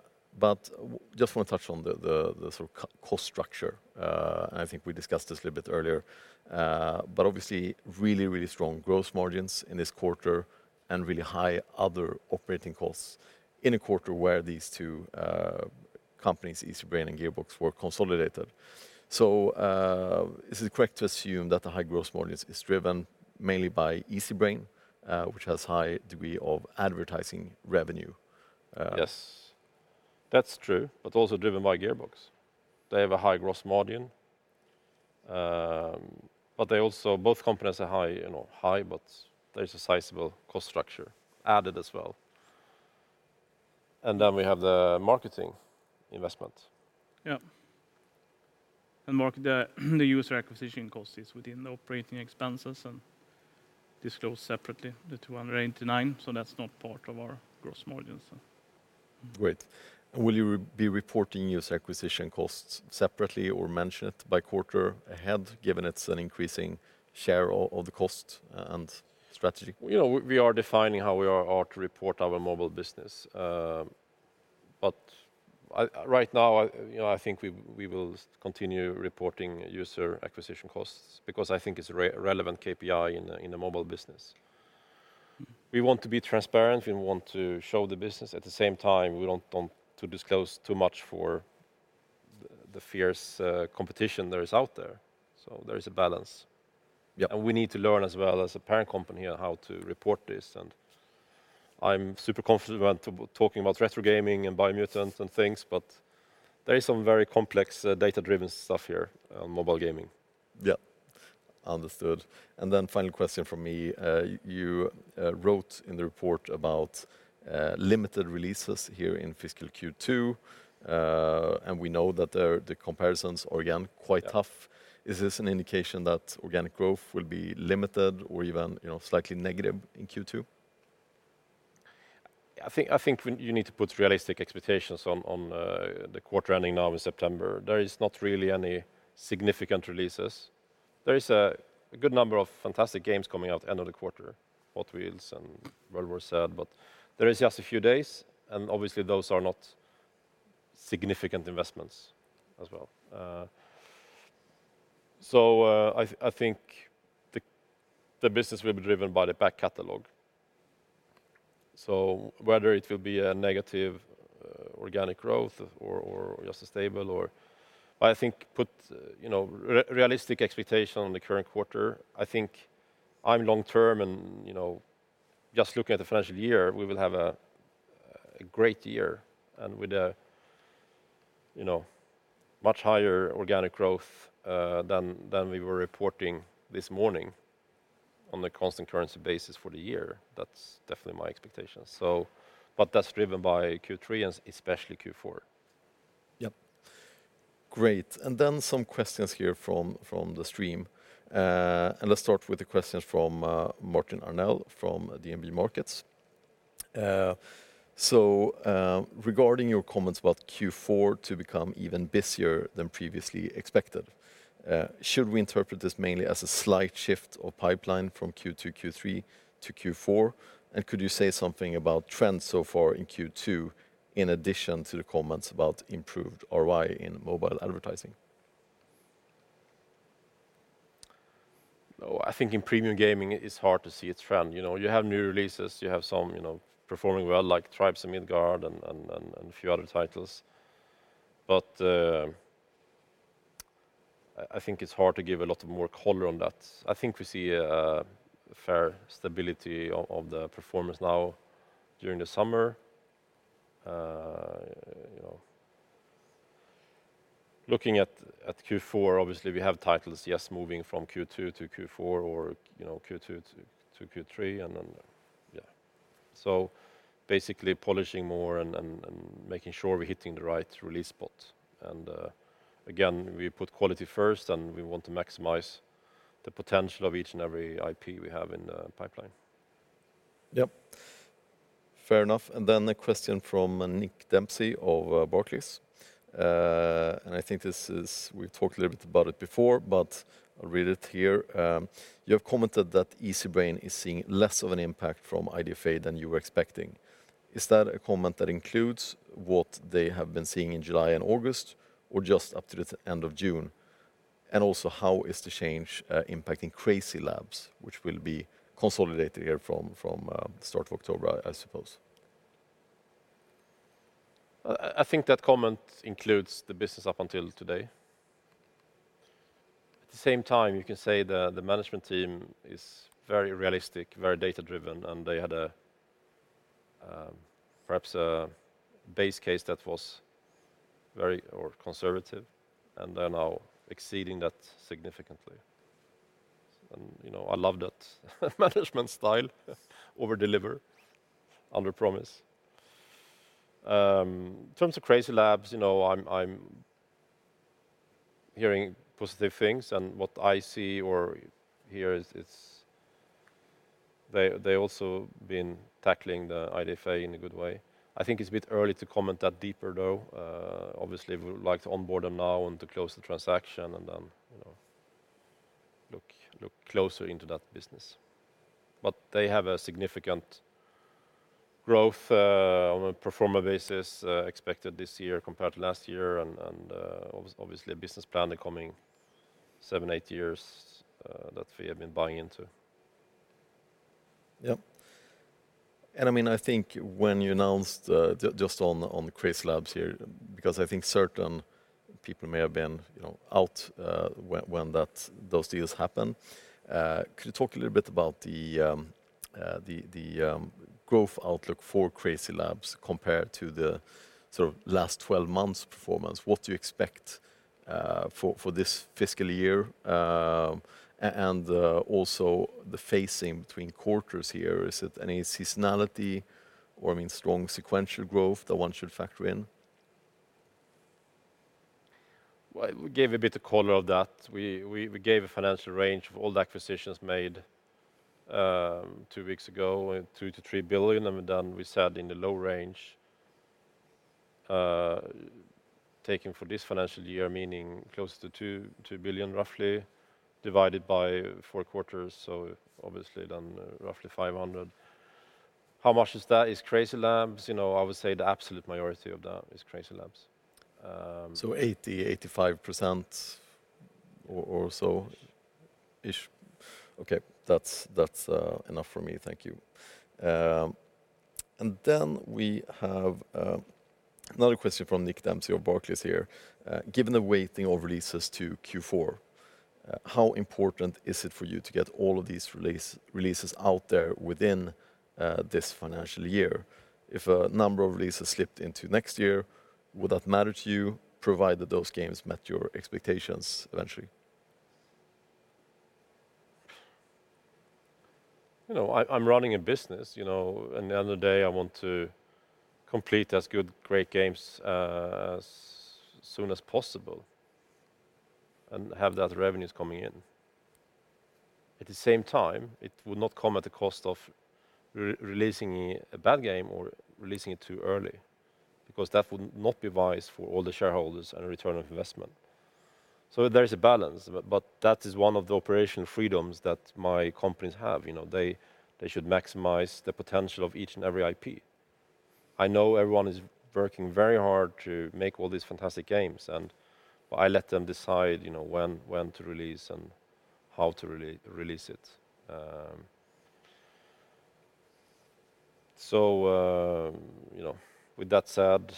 want to touch on the cost structure, and I think we discussed this a little bit earlier. Obviously really strong gross margins in this quarter and really high other operating costs in a quarter where these two companies, Easybrain and Gearbox, were consolidated. Is it correct to assume that the high gross margins is driven mainly by Easybrain, which has high degree of advertising revenue? Yes. That's true, also driven by Gearbox. They have a high gross margin. Both companies are high, there's a sizable cost structure added as well. We have the marketing investment. Yeah. The user acquisition cost is within the operating expenses and disclosed separately, the 289 million, so that's not part of our gross margin. Great. Will you be reporting user acquisition costs separately or mention it by quarter ahead, given it's an increasing share of the cost and strategy? We are defining how we are ought to report our mobile business. Right now, I think we will continue reporting user acquisition costs because I think it's a relevant KPI in the mobile business. We want to be transparent, we want to show the business. At the same time, we don't want to disclose too much for the fierce competition that is out there. There is a balance. Yeah. We need to learn as well as a parent company on how to report this. I'm super confident talking about retro gaming and Biomutant and things. There is some very complex data-driven stuff here on mobile gaming. Yeah. Understood. Final question from me. You wrote in the report about limited releases here in fiscal Q2. We know that the comparisons are again quite tough. Is this an indication that organic growth will be limited or even slightly negative in Q2? I think you need to put realistic expectations on the quarter ending now in September. There is not really any significant releases. There is a good number of fantastic games coming out at the end of the quarter, Hot Wheels and World War Z, but there is just a few days, and obviously those are not significant investments as well. I think the business will be driven by the back catalog. I think put realistic expectation on the current quarter. I think I'm long-term and just looking at the financial year, we will have a great year and with a much higher organic growth than we were reporting this morning on the constant currency basis for the year. That's definitely my expectation. That's driven by Q3 and especially Q4. Yep. Great. Then some questions here from the stream. Let's start with the questions from Martin Arnell from DNB Markets. Regarding your comments about Q4 to become even busier than previously expected, should we interpret this mainly as a slight shift of pipeline from Q2, Q3 to Q4? Could you say something about trends so far in Q2, in addition to the comments about improved ROI in mobile advertising? I think in premium gaming, it's hard to see a trend. You have new releases, you have some performing well, like Tribes of Midgard and a few other titles. I think it's hard to give a lot of more color on that. I think we see a fair stability of the performance now during the summer. Looking at Q4, obviously, we have titles, yes, moving from Q2 to Q4 or Q2 to Q3. Basically polishing more and making sure we're hitting the right release spot. Again, we put quality first, and we want to maximize the potential of each and every IP we have in the pipeline. Yep. Fair enough. A question from Nick Dempsey of Barclays. I think we've talked a little bit about it before, but I'll read it here. "You have commented that Easybrain is seeing less of an impact from IDFA than you were expecting. Is that a comment that includes what they have been seeing in July and August or just up to the end of June? Also, how is the change impacting CrazyLabs, which will be consolidated here from the start of October, I suppose? I think that comment includes the business up until today. At the same time, you can say the management team is very realistic, very data-driven, and they had perhaps a base case that was very conservative, and they're now exceeding that significantly. I love that management style. Over-deliver, under-promise. In terms of CrazyLabs, I'm hearing positive things, and what I see or hear is they also been tackling the IDFA in a good way. I think it's a bit early to comment that deeper, though. Obviously, we would like to onboard them now and to close the transaction and then look closer into that business. They have a significant growth on a pro forma basis expected this year compared to last year and obviously a business plan the coming seven, eight years that we have been buying into. Yep. I think when you announced just on the CrazyLabs here, because I think certain people may have been out when those deals happen. Could you talk a little bit about the growth outlook for CrazyLabs compared to the last 12 months' performance? What do you expect for this fiscal year? Also the phasing between quarters here. Is it any seasonality or strong sequential growth that one should factor in? Well, we gave a bit of color of that. We gave a financial range of all the acquisitions made two weeks ago, 2 billion-3 billion. We said in the low range, taking for this financial year, meaning close to 2 billion roughly, divided by four quarters, so obviously then roughly 500 million. How much of that is CrazyLabs? I would say the absolute majority of that is CrazyLabs. 80%-85% or so. -ish. Okay. That's enough for me. Thank you. Then we have another question from Nick Dempsey of Barclays here. "Given the weighting of releases to Q4, how important is it for you to get all of these releases out there within this financial year? If a number of releases slipped into next year, would that matter to you, provided those games met your expectations eventually? I am running a business, and at the end of the day, I want to complete as good, great games as soon as possible and have that revenues coming in. At the same time, it will not come at the cost of releasing a bad game or releasing it too early, because that would not be wise for all the shareholders and return on investment. There is a balance, but that is one of the operational freedoms that my companies have. They should maximize the potential of each and every IP. I know everyone is working very hard to make all these fantastic games, and I let them decide when to release and how to release it. With that said,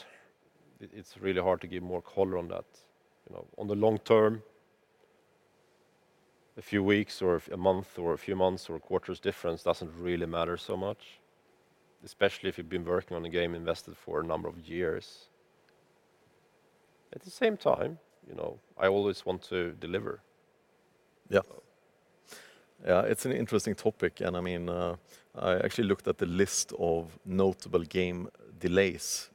it is really hard to give more color on that. On the long term, a few weeks or a month or a few months or a quarter's difference doesn't really matter so much, especially if you've been working on a game invested for a number of years. At the same time, I always want to deliver. Yeah. It's an interesting topic, and I actually looked at the list of notable game delays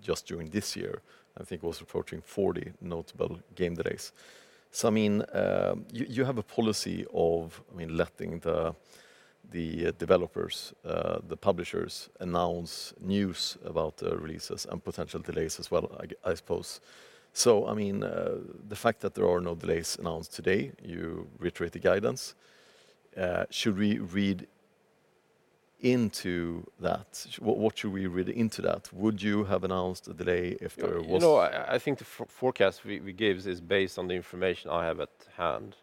just during this year. I think it was approaching 40 notable game delays. You have a policy of letting the developers, the publishers announce news about the releases and potential delays as well, I suppose. The fact that there are no delays announced today, you reiterate the guidance. What should we read into that? Would you have announced a delay if there was- I think the forecast we gave is based on the information I have at hand.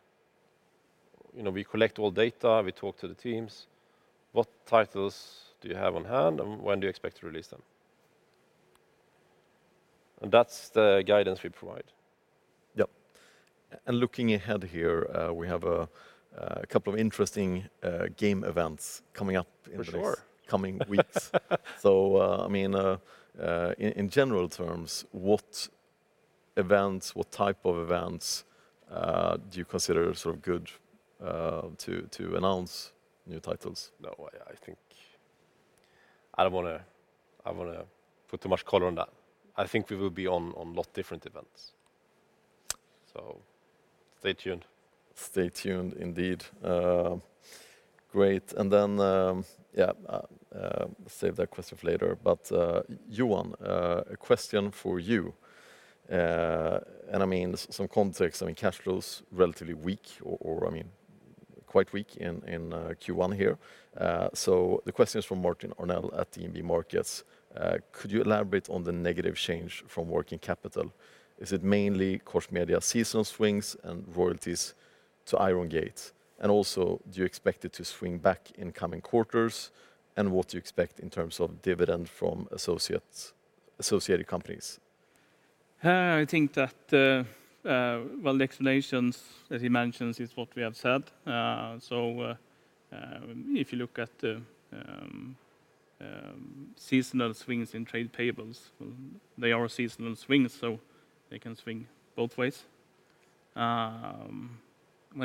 We collect all data, we talk to the teams. What titles do you have on hand, when do you expect to release them? That's the guidance we provide. Yep. Looking ahead here, we have two interesting game events coming up. For sure. in the coming weeks. In general terms, what type of events do you consider good to announce new titles? No, I think I don't want to put too much color on that. I think we will be on a lot different events. Stay tuned. Stay tuned indeed. Great. Save that question for later. Johan, a question for you. Some context, cash flows quite weak in Q1 here. The question is from Martin Arnell at DNB Markets: "Could you elaborate on the negative change from working capital? Is it mainly Koch Media season swings and royalties to Iron Gate? Do you expect it to swing back in coming quarters? What do you expect in terms of dividend from associated companies? I think that the explanations, as he mentions, is what we have said. If you look at the seasonal swings in trade payables, they are seasonal swings, so they can swing both ways. When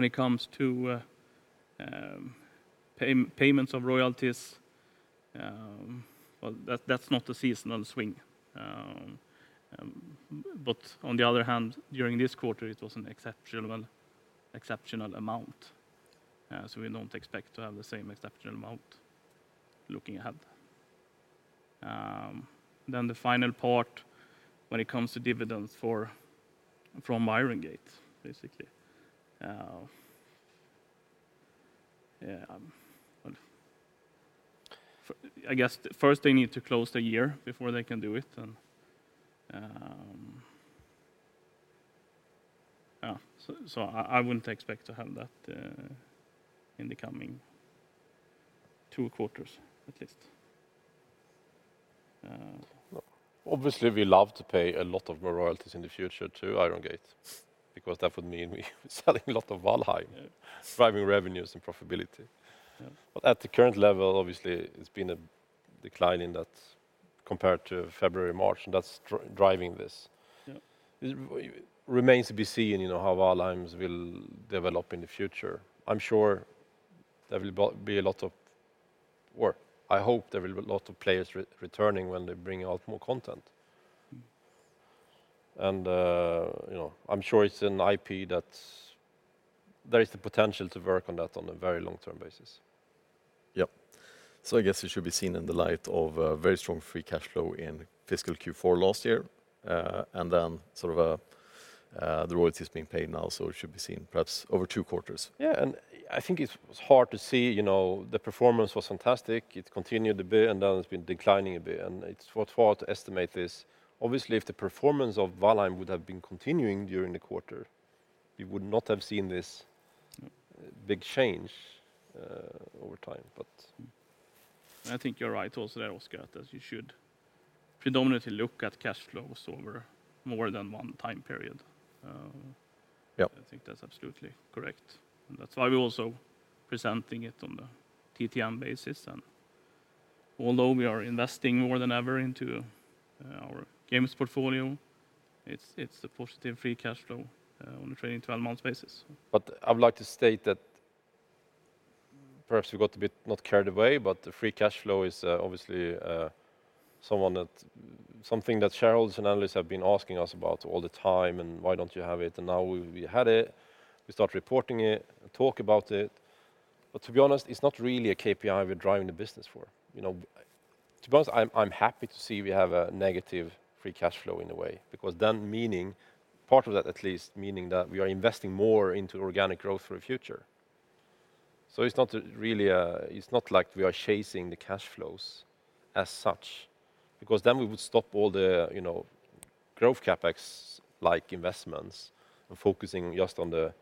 it comes to payments of royalties, that's not a seasonal swing. On the other hand, during this quarter, it was an exceptional amount. We don't expect to have the same exceptional amount looking ahead. The final part, when it comes to dividends from Iron Gate, basically. I guess first they need to close the year before they can do it. I wouldn't expect to have that in the coming two quarters, at least. Obviously, we love to pay a lot of royalties in the future to Iron Gate, because that would mean we're selling a lot of "Valheim. Yeah. Driving revenues and profitability. Yeah. At the current level, obviously, it's been a decline in that compared to February, March, and that's driving this. Yeah. It remains to be seen how "Valheim" will develop in the future. I hope there will be a lot of players returning when they bring out more content. I'm sure there is the potential to work on that on a very long-term basis. Yep. I guess it should be seen in the light of a very strong free cash flow in fiscal Q4 last year, and then the royalties being paid now, so it should be seen perhaps over two quarters. Yeah, I think it's hard to see. The performance was fantastic. It continued a bit. Now it's been declining a bit. It's far to estimate this. Obviously, if the performance of Valheim would have been continuing during the quarter, we would not have seen this. No big change over time. I think you're right also there, Oscar, that you should predominantly look at cash flows over more than one time period. Yep. I think that's absolutely correct, and that's why we're also presenting it on the TTM basis. Although we are investing more than ever into our games portfolio, it's a positive free cash flow on a trailing 12 months basis. I would like to state that perhaps we got a bit, not carried away, but the free cash flow is obviously something that shareholders and analysts have been asking us about all the time, and why don't you have it. Now we had it, we start reporting it, talk about it. To be honest, it's not really a KPI we're driving the business for. To be honest, I'm happy to see we have a negative free cash flow in a way, because then part of that at least meaning that we are investing more into organic growth for the future. It's not like we are chasing the cash flows as such, because then we would stop all the growth CapEx-like investments and focusing just on the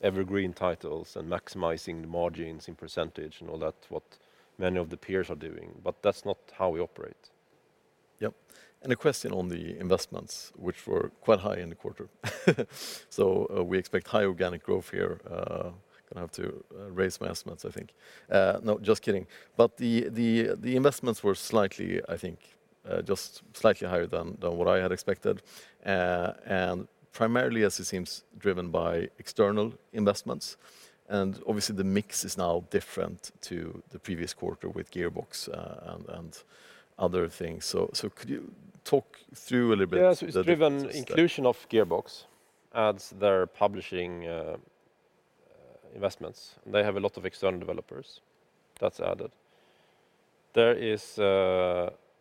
evergreen titles and maximizing the margins in percentage and all that, what many of the peers are doing, but that's not how we operate. Yep. A question on the investments, which were quite high in the quarter. We expect high organic growth here. Going to have to raise my estimates, I think. No, just kidding. The investments were I think just slightly higher than what I had expected. Primarily, as it seems, driven by external investments, and obviously the mix is now different to the previous quarter with Gearbox and other things. Could you talk through a little bit. It's driven inclusion of Gearbox as their publishing investments. They have a lot of external developers that's added. There is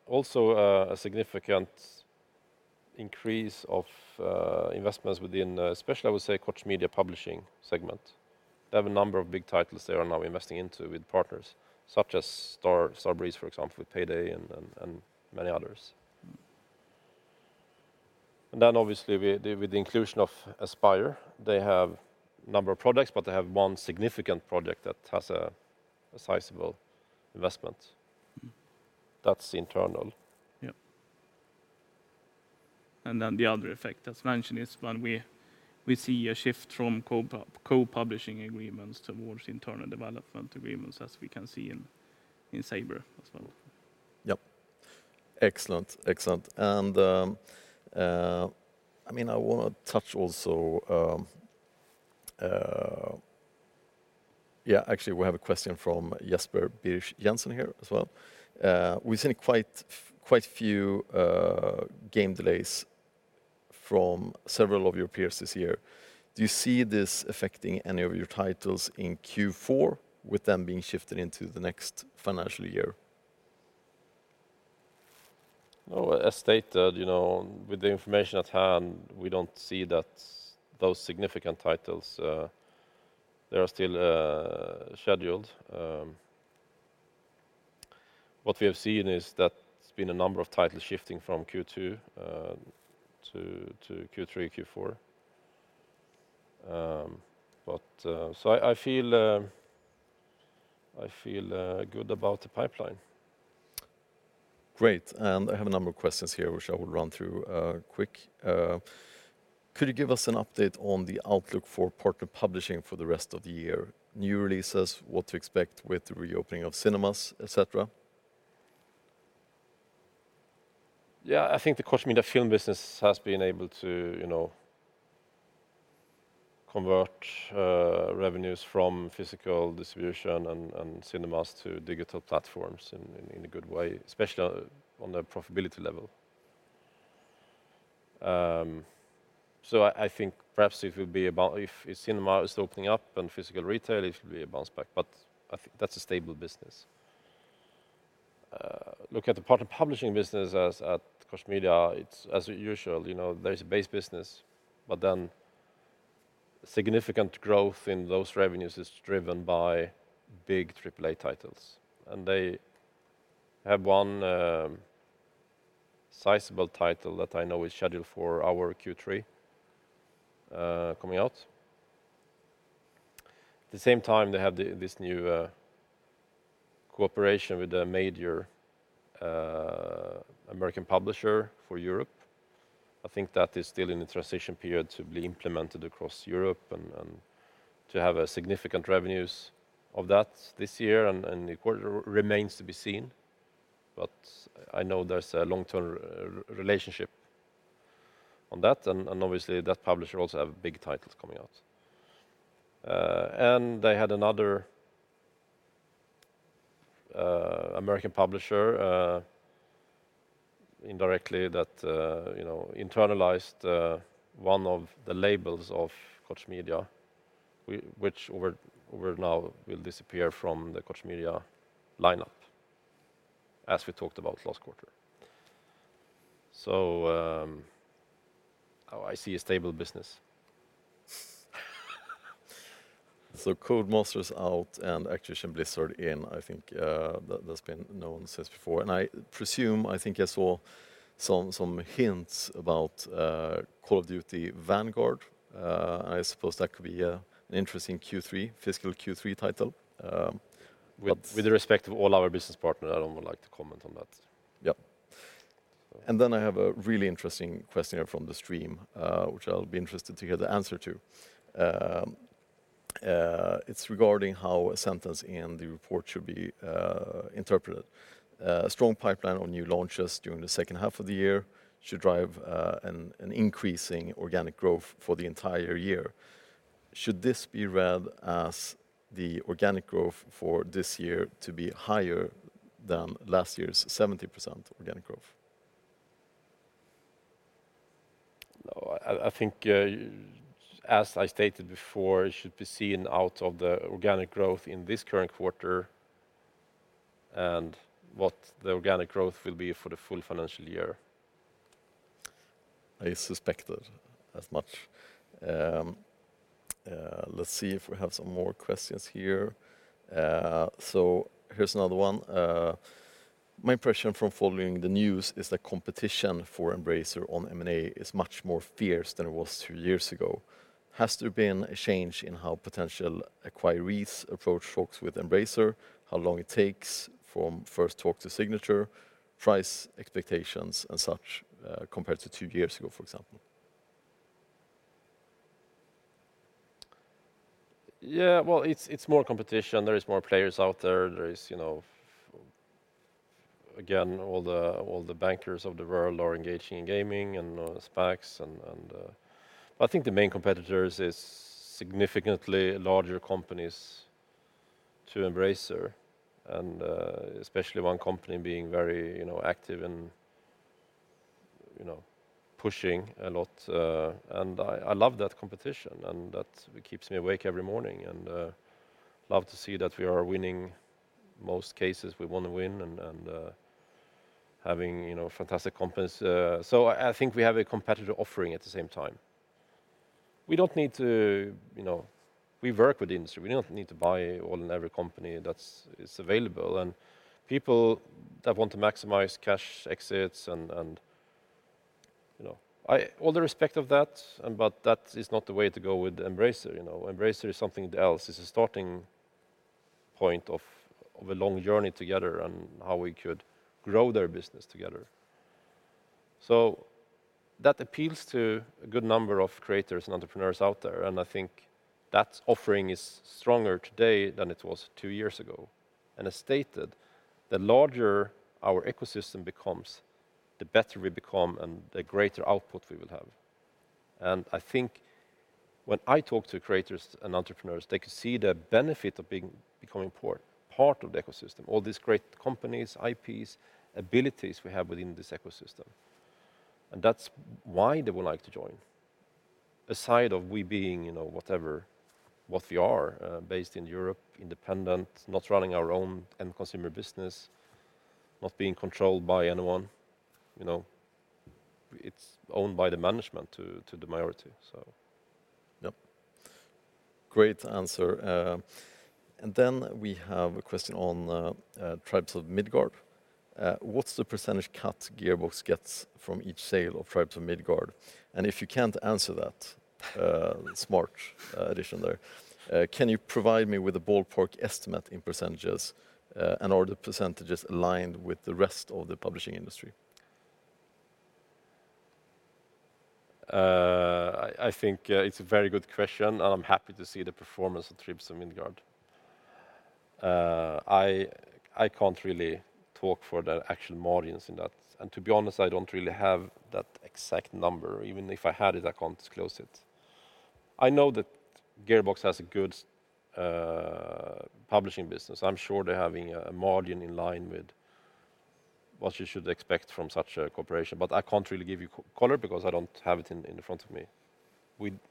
also a significant increase of investments within, especially, I would say, Koch Media publishing segment. They have a number of big titles they are now investing into with partners, such as Starbreeze, for example, with "Payday" and many others. Obviously with the inclusion of Aspyr, they have a number of products, but they have one significant project that has a sizable investment. That's internal. Yep. The other effect, as mentioned, is when we see a shift from co-publishing agreements towards internal development agreements, as we can see in Saber as well. Yep. Excellent. I want to touch also on. Yeah, actually, we have a question from Jesper Birch-Jensen here as well. We've seen quite few game delays from several of your peers this year. Do you see this affecting any of your titles in Q4 with them being shifted into the next financial year? No, as stated, with the information at hand, we don't see that those significant titles, they are still scheduled. What we have seen is that there's been a number of titles shifting from Q2 to Q3, Q4. I feel good about the pipeline. Great, I have a number of questions here which I will run through quick. Could you give us an update on the outlook for partner publishing for the rest of the year, new releases, what to expect with the reopening of cinemas, et cetera? Yeah. I think the Koch Media film business has been able to convert revenues from physical distribution and cinemas to digital platforms in a good way, especially on the profitability level. I think perhaps if cinema is opening up and physical retail, it should be a bounce back, but I think that's a stable business. Look at the partner publishing business at Koch Media, it's as usual, there's a base business, but then significant growth in those revenues is driven by big AAA titles. They have one sizable title that I know is scheduled for our Q3, coming out. At the same time, they have this new cooperation with a major American publisher for Europe. I think that is still in the transition period to be implemented across Europe and to have a significant revenues of that this year and the quarter remains to be seen, but I know there's a long-term relationship on that, and obviously that publisher also have big titles coming out. They had another American publisher, indirectly, that internalized one of the labels of Koch Media, which over now will disappear from the Koch Media lineup, as we talked about last quarter. I see a stable business. Codemasters out and Activision Blizzard in, I think that's been known since before, and I presume, I think I saw some hints about "Call of Duty: Vanguard." I suppose that could be an interesting fiscal Q3 title. With the respect of all our business partners, I don't would like to comment on that. Yep. I have a really interesting question here from the stream, which I'll be interested to hear the answer to. It's regarding how a sentence in the report should be interpreted. A strong pipeline on new launches during the second half of the year should drive an increasing organic growth for the entire year. Should this be read as the organic growth for this year to be higher than last year's 70% organic growth? I think, as I stated before, it should be seen out of the organic growth in this current quarter and what the organic growth will be for the full financial year. I suspected as much. Let's see if we have some more questions here. Here's another one. My impression from following the news is that competition for Embracer on M&A is much more fierce than it was two years ago. Has there been a change in how potential acquirees approach folks with Embracer? How long it takes from first talk to signature, price expectations and such, compared to two years ago, for example? Yeah. Well, it's more competition. There is more players out there. There is, again, all the bankers of the world are engaging in gaming and SPACs. I think the main competitors is significantly larger companies to Embracer, and especially one company being very active and pushing a lot. I love that competition, and that keeps me awake every morning and love to see that we are winning most cases we want to win and having fantastic companies. I think we have a competitive offering at the same time. We work with the industry. We don't need to buy all and every company that's available, and people that want to maximize cash exits and all the respect of that, but that is not the way to go with Embracer. Embracer is something else. It's a starting point of a long journey together on how we could grow their business together. That appeals to a good number of creators and entrepreneurs out there, and I think that offering is stronger today than it was two years ago. As stated, the larger our ecosystem becomes, the better we become, and the greater output we will have. I think when I talk to creators and entrepreneurs, they can see the benefit of becoming part of the ecosystem. All these great companies, IPs, abilities we have within this ecosystem, and that's why they would like to join. Aside of we being whatever, what we are, based in Europe, independent, not running our own end consumer business, not being controlled by anyone. It's owned by the management to the minority. Yep. Great answer. Then we have a question on Tribes of Midgard. What's the percentage cut Gearbox gets from each sale of Tribes of Midgard? If you can't answer that, smart addition there, can you provide me with a ballpark estimate in percentage? Are the percentages aligned with the rest of the publishing industry? I think it's a very good question, and I'm happy to see the performance of Tribes of Midgard. I can't really talk for the actual margins in that. To be honest, I don't really have that exact number. Even if I had it, I can't disclose it. I know that Gearbox has a good publishing business. I'm sure they're having a margin in line with what you should expect from such a corporation. I can't really give you color because I don't have it in front of me.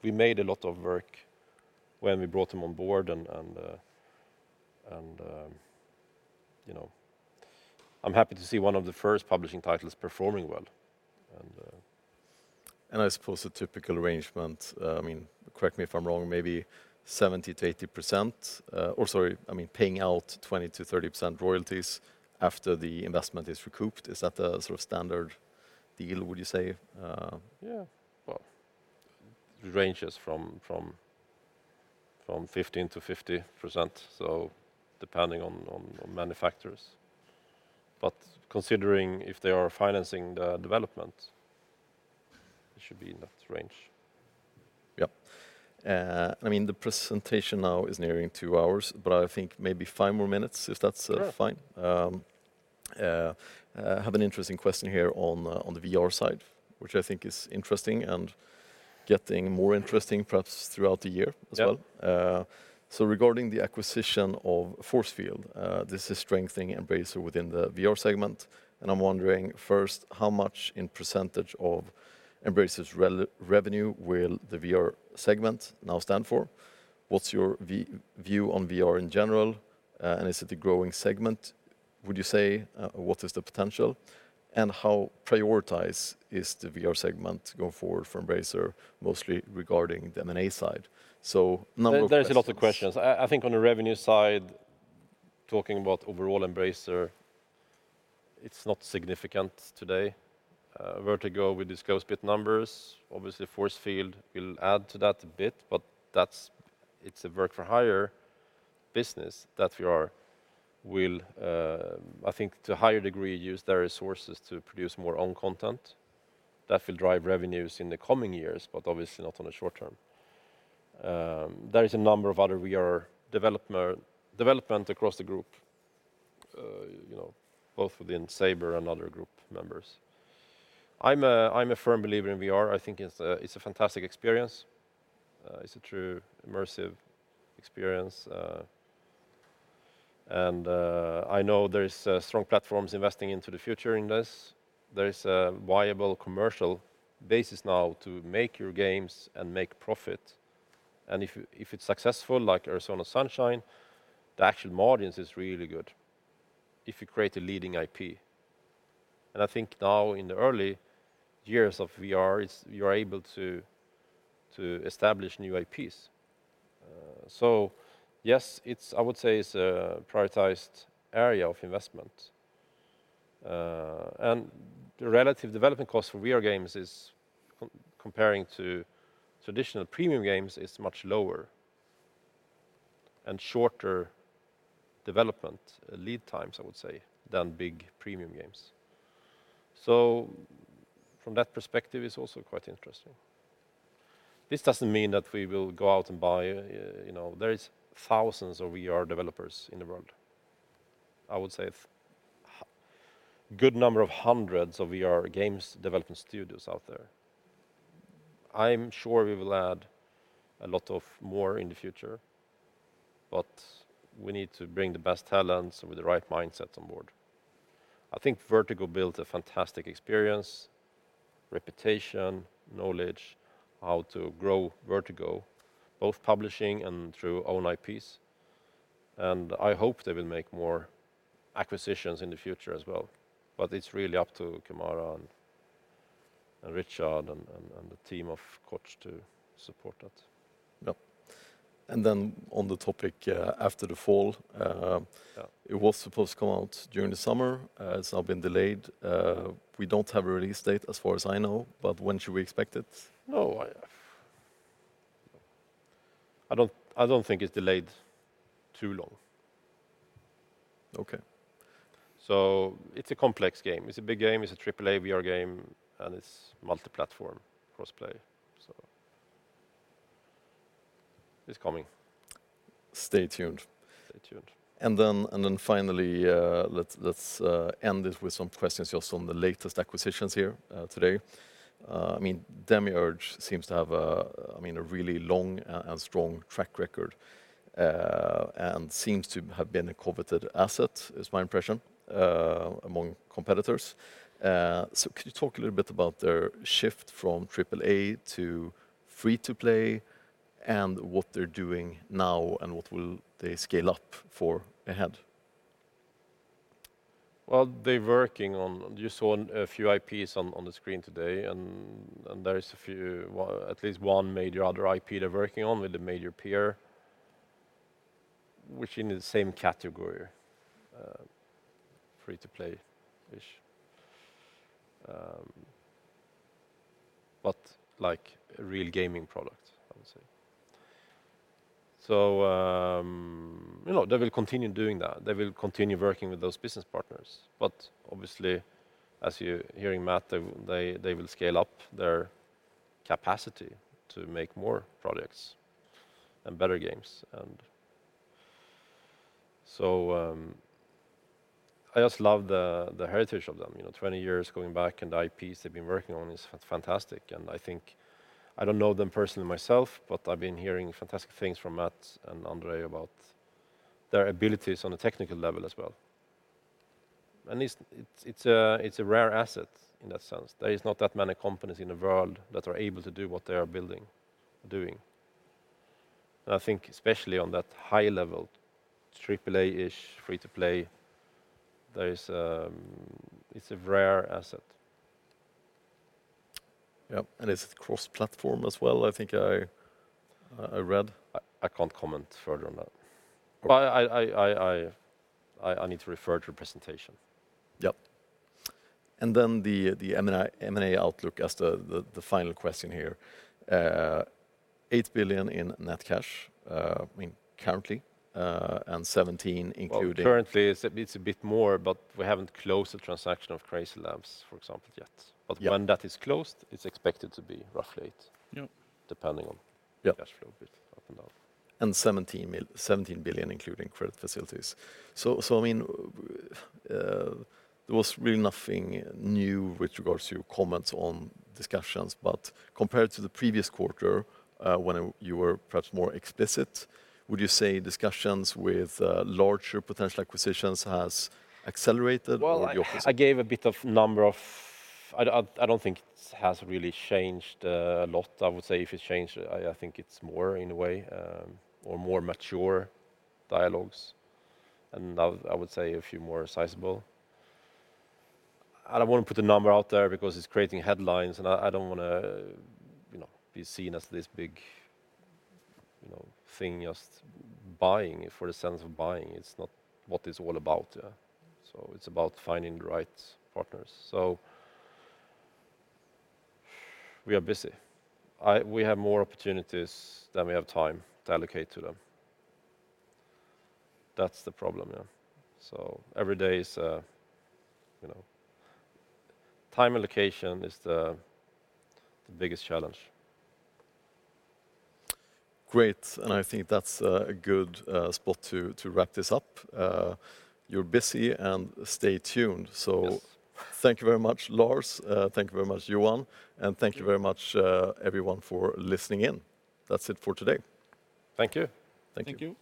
We made a lot of work when we brought them on board, and I'm happy to see one of the first publishing titles performing well. I suppose a typical arrangement, correct me if I'm wrong, maybe 70%-80%, or, sorry, paying out 20%-30% royalties after the investment is recouped. Is that the standard deal, would you say? Yeah. Well, it ranges from 15%-50%, so depending on many factors. Considering if they are financing the development, it should be in that range. Yep. The presentation now is nearing two hours, but I think maybe five more minutes, if that's fine. Sure. I have an interesting question here on the VR side, which I think is interesting and getting more interesting, perhaps, throughout the year as well. Yep. Regarding the acquisition of Force Field, this is strengthening Embracer within the VR segment, and I'm wondering, first, how much in percentage of Embracer's revenue will the VR segment now stand for? What's your view on VR in general, and is it a growing segment, would you say? What is the potential? And how prioritized is the VR segment going forward for Embracer, mostly regarding the M&A side? Number of questions. There's a lot of questions. I think on the revenue side, talking about overall Embracer, it's not significant today. Vertigo, we disclose EBIT numbers. Obviously, Force Field will add to that a bit, but it's a work for hire business that we will, I think, to a higher degree, use their resources to produce more own content. That will drive revenues in the coming years, but obviously not on the short-term. There is a number of other VR development across the group, both within Saber and other group members. I'm a firm believer in VR. I think it's a fantastic experience. It's a true immersive experience. I know there is strong platforms investing into the future in this. There is a viable commercial basis now to make your games and make profit. If it's successful, like Arizona Sunshine, the actual margins is really good if you create a leading IP. I think now in the early years of VR, you're able to establish new IPs. Yes, I would say it's a prioritized area of investment. The relative development cost for VR games, comparing to traditional premium games, is much lower, and shorter development lead times, I would say, than big premium games. From that perspective, it's also quite interesting. This doesn't mean that we will go out and buy. There is thousands of VR developers in the world. I would say a good number of hundreds of VR games development studios out there. I'm sure we will add a lot of more in the future, but we need to bring the best talents with the right mindsets on board. I think Vertigo built a fantastic experience, reputation, knowledge, how to grow Vertigo, both publishing and through own IPs, and I hope they will make more acquisitions in the future as well. It's really up to Klemens and Richard and the team, of course, to support that. Yep. On the topic, After the Fall. Yeah. It was supposed to come out during the summer. It's now been delayed. We don't have a release date as far as I know, but when should we expect it? I don't think it's delayed too long. Okay. It's a complex game. It's a big game. It's a AAA VR game, and it's multi-platform cross-play. It's coming. Stay tuned. Stay tuned. Finally, let's end it with some questions just on the latest acquisitions here today. Demiurge seems to have a really long and strong track record, and seems to have been a coveted asset, is my impression, among competitors. Could you talk a little bit about their shift from AAA to free-to-play, and what they're doing now, and what will they scale up for ahead? Well, you saw a few IPs on the screen today, and there is at least one major other IP they're working on with a major peer, which in the same category, free-to-play-ish. A real gaming product, I would say. They will continue doing that. They will continue working with those business partners. Obviously, as you're hearing Matt, they will scale up their capacity to make more products and better games. I just love the heritage of them. 20 years going back, and the IPs they've been working on is fantastic. I don't know them personally myself, but I've been hearing fantastic things from Matt and Andrey about their abilities on a technical level as well. It's a rare asset in that sense. There is not that many companies in the world that are able to do what they are building, doing. I think especially on that high level, AAA-ish, free-to-play, it's a rare asset. Yep. It's cross-platform as well, I think I read. I can't comment further on that. I need to refer to the presentation. Yep. Then the M&A outlook as the final question here. 8 billion in net cash currently, and 17 billion including Currently it's a bit more, but we haven't closed the transaction of CrazyLabs, for example, yet. Yep. When that is closed, it's expected to be roughly 8 billion. Yep. Depending on- Yep the cash flow a bit up and down. 17 billion including credit facilities. There was really nothing new with regards to your comments on discussions. Compared to the previous quarter, when you were perhaps more explicit, would you say discussions with larger potential acquisitions has accelerated? Well, I don't think it has really changed a lot. I would say if it's changed, I think it's more in a way, or more mature dialogues. Now, I would say a few more sizable. I don't want to put a number out there because it's creating headlines, and I don't want to be seen as this big thing just buying it for the sense of buying. It's not what it's all about. It's about finding the right partners. We are busy. We have more opportunities than we have time to allocate to them. That's the problem, yeah. Time allocation is the biggest challenge. Great. I think that's a good spot to wrap this up. You're busy, and stay tuned. Yes. Thank you very much, Lars. Thank you very much, Johan. Thank you very much, everyone, for listening in. That's it for today. Thank you. Thank you. Thank you.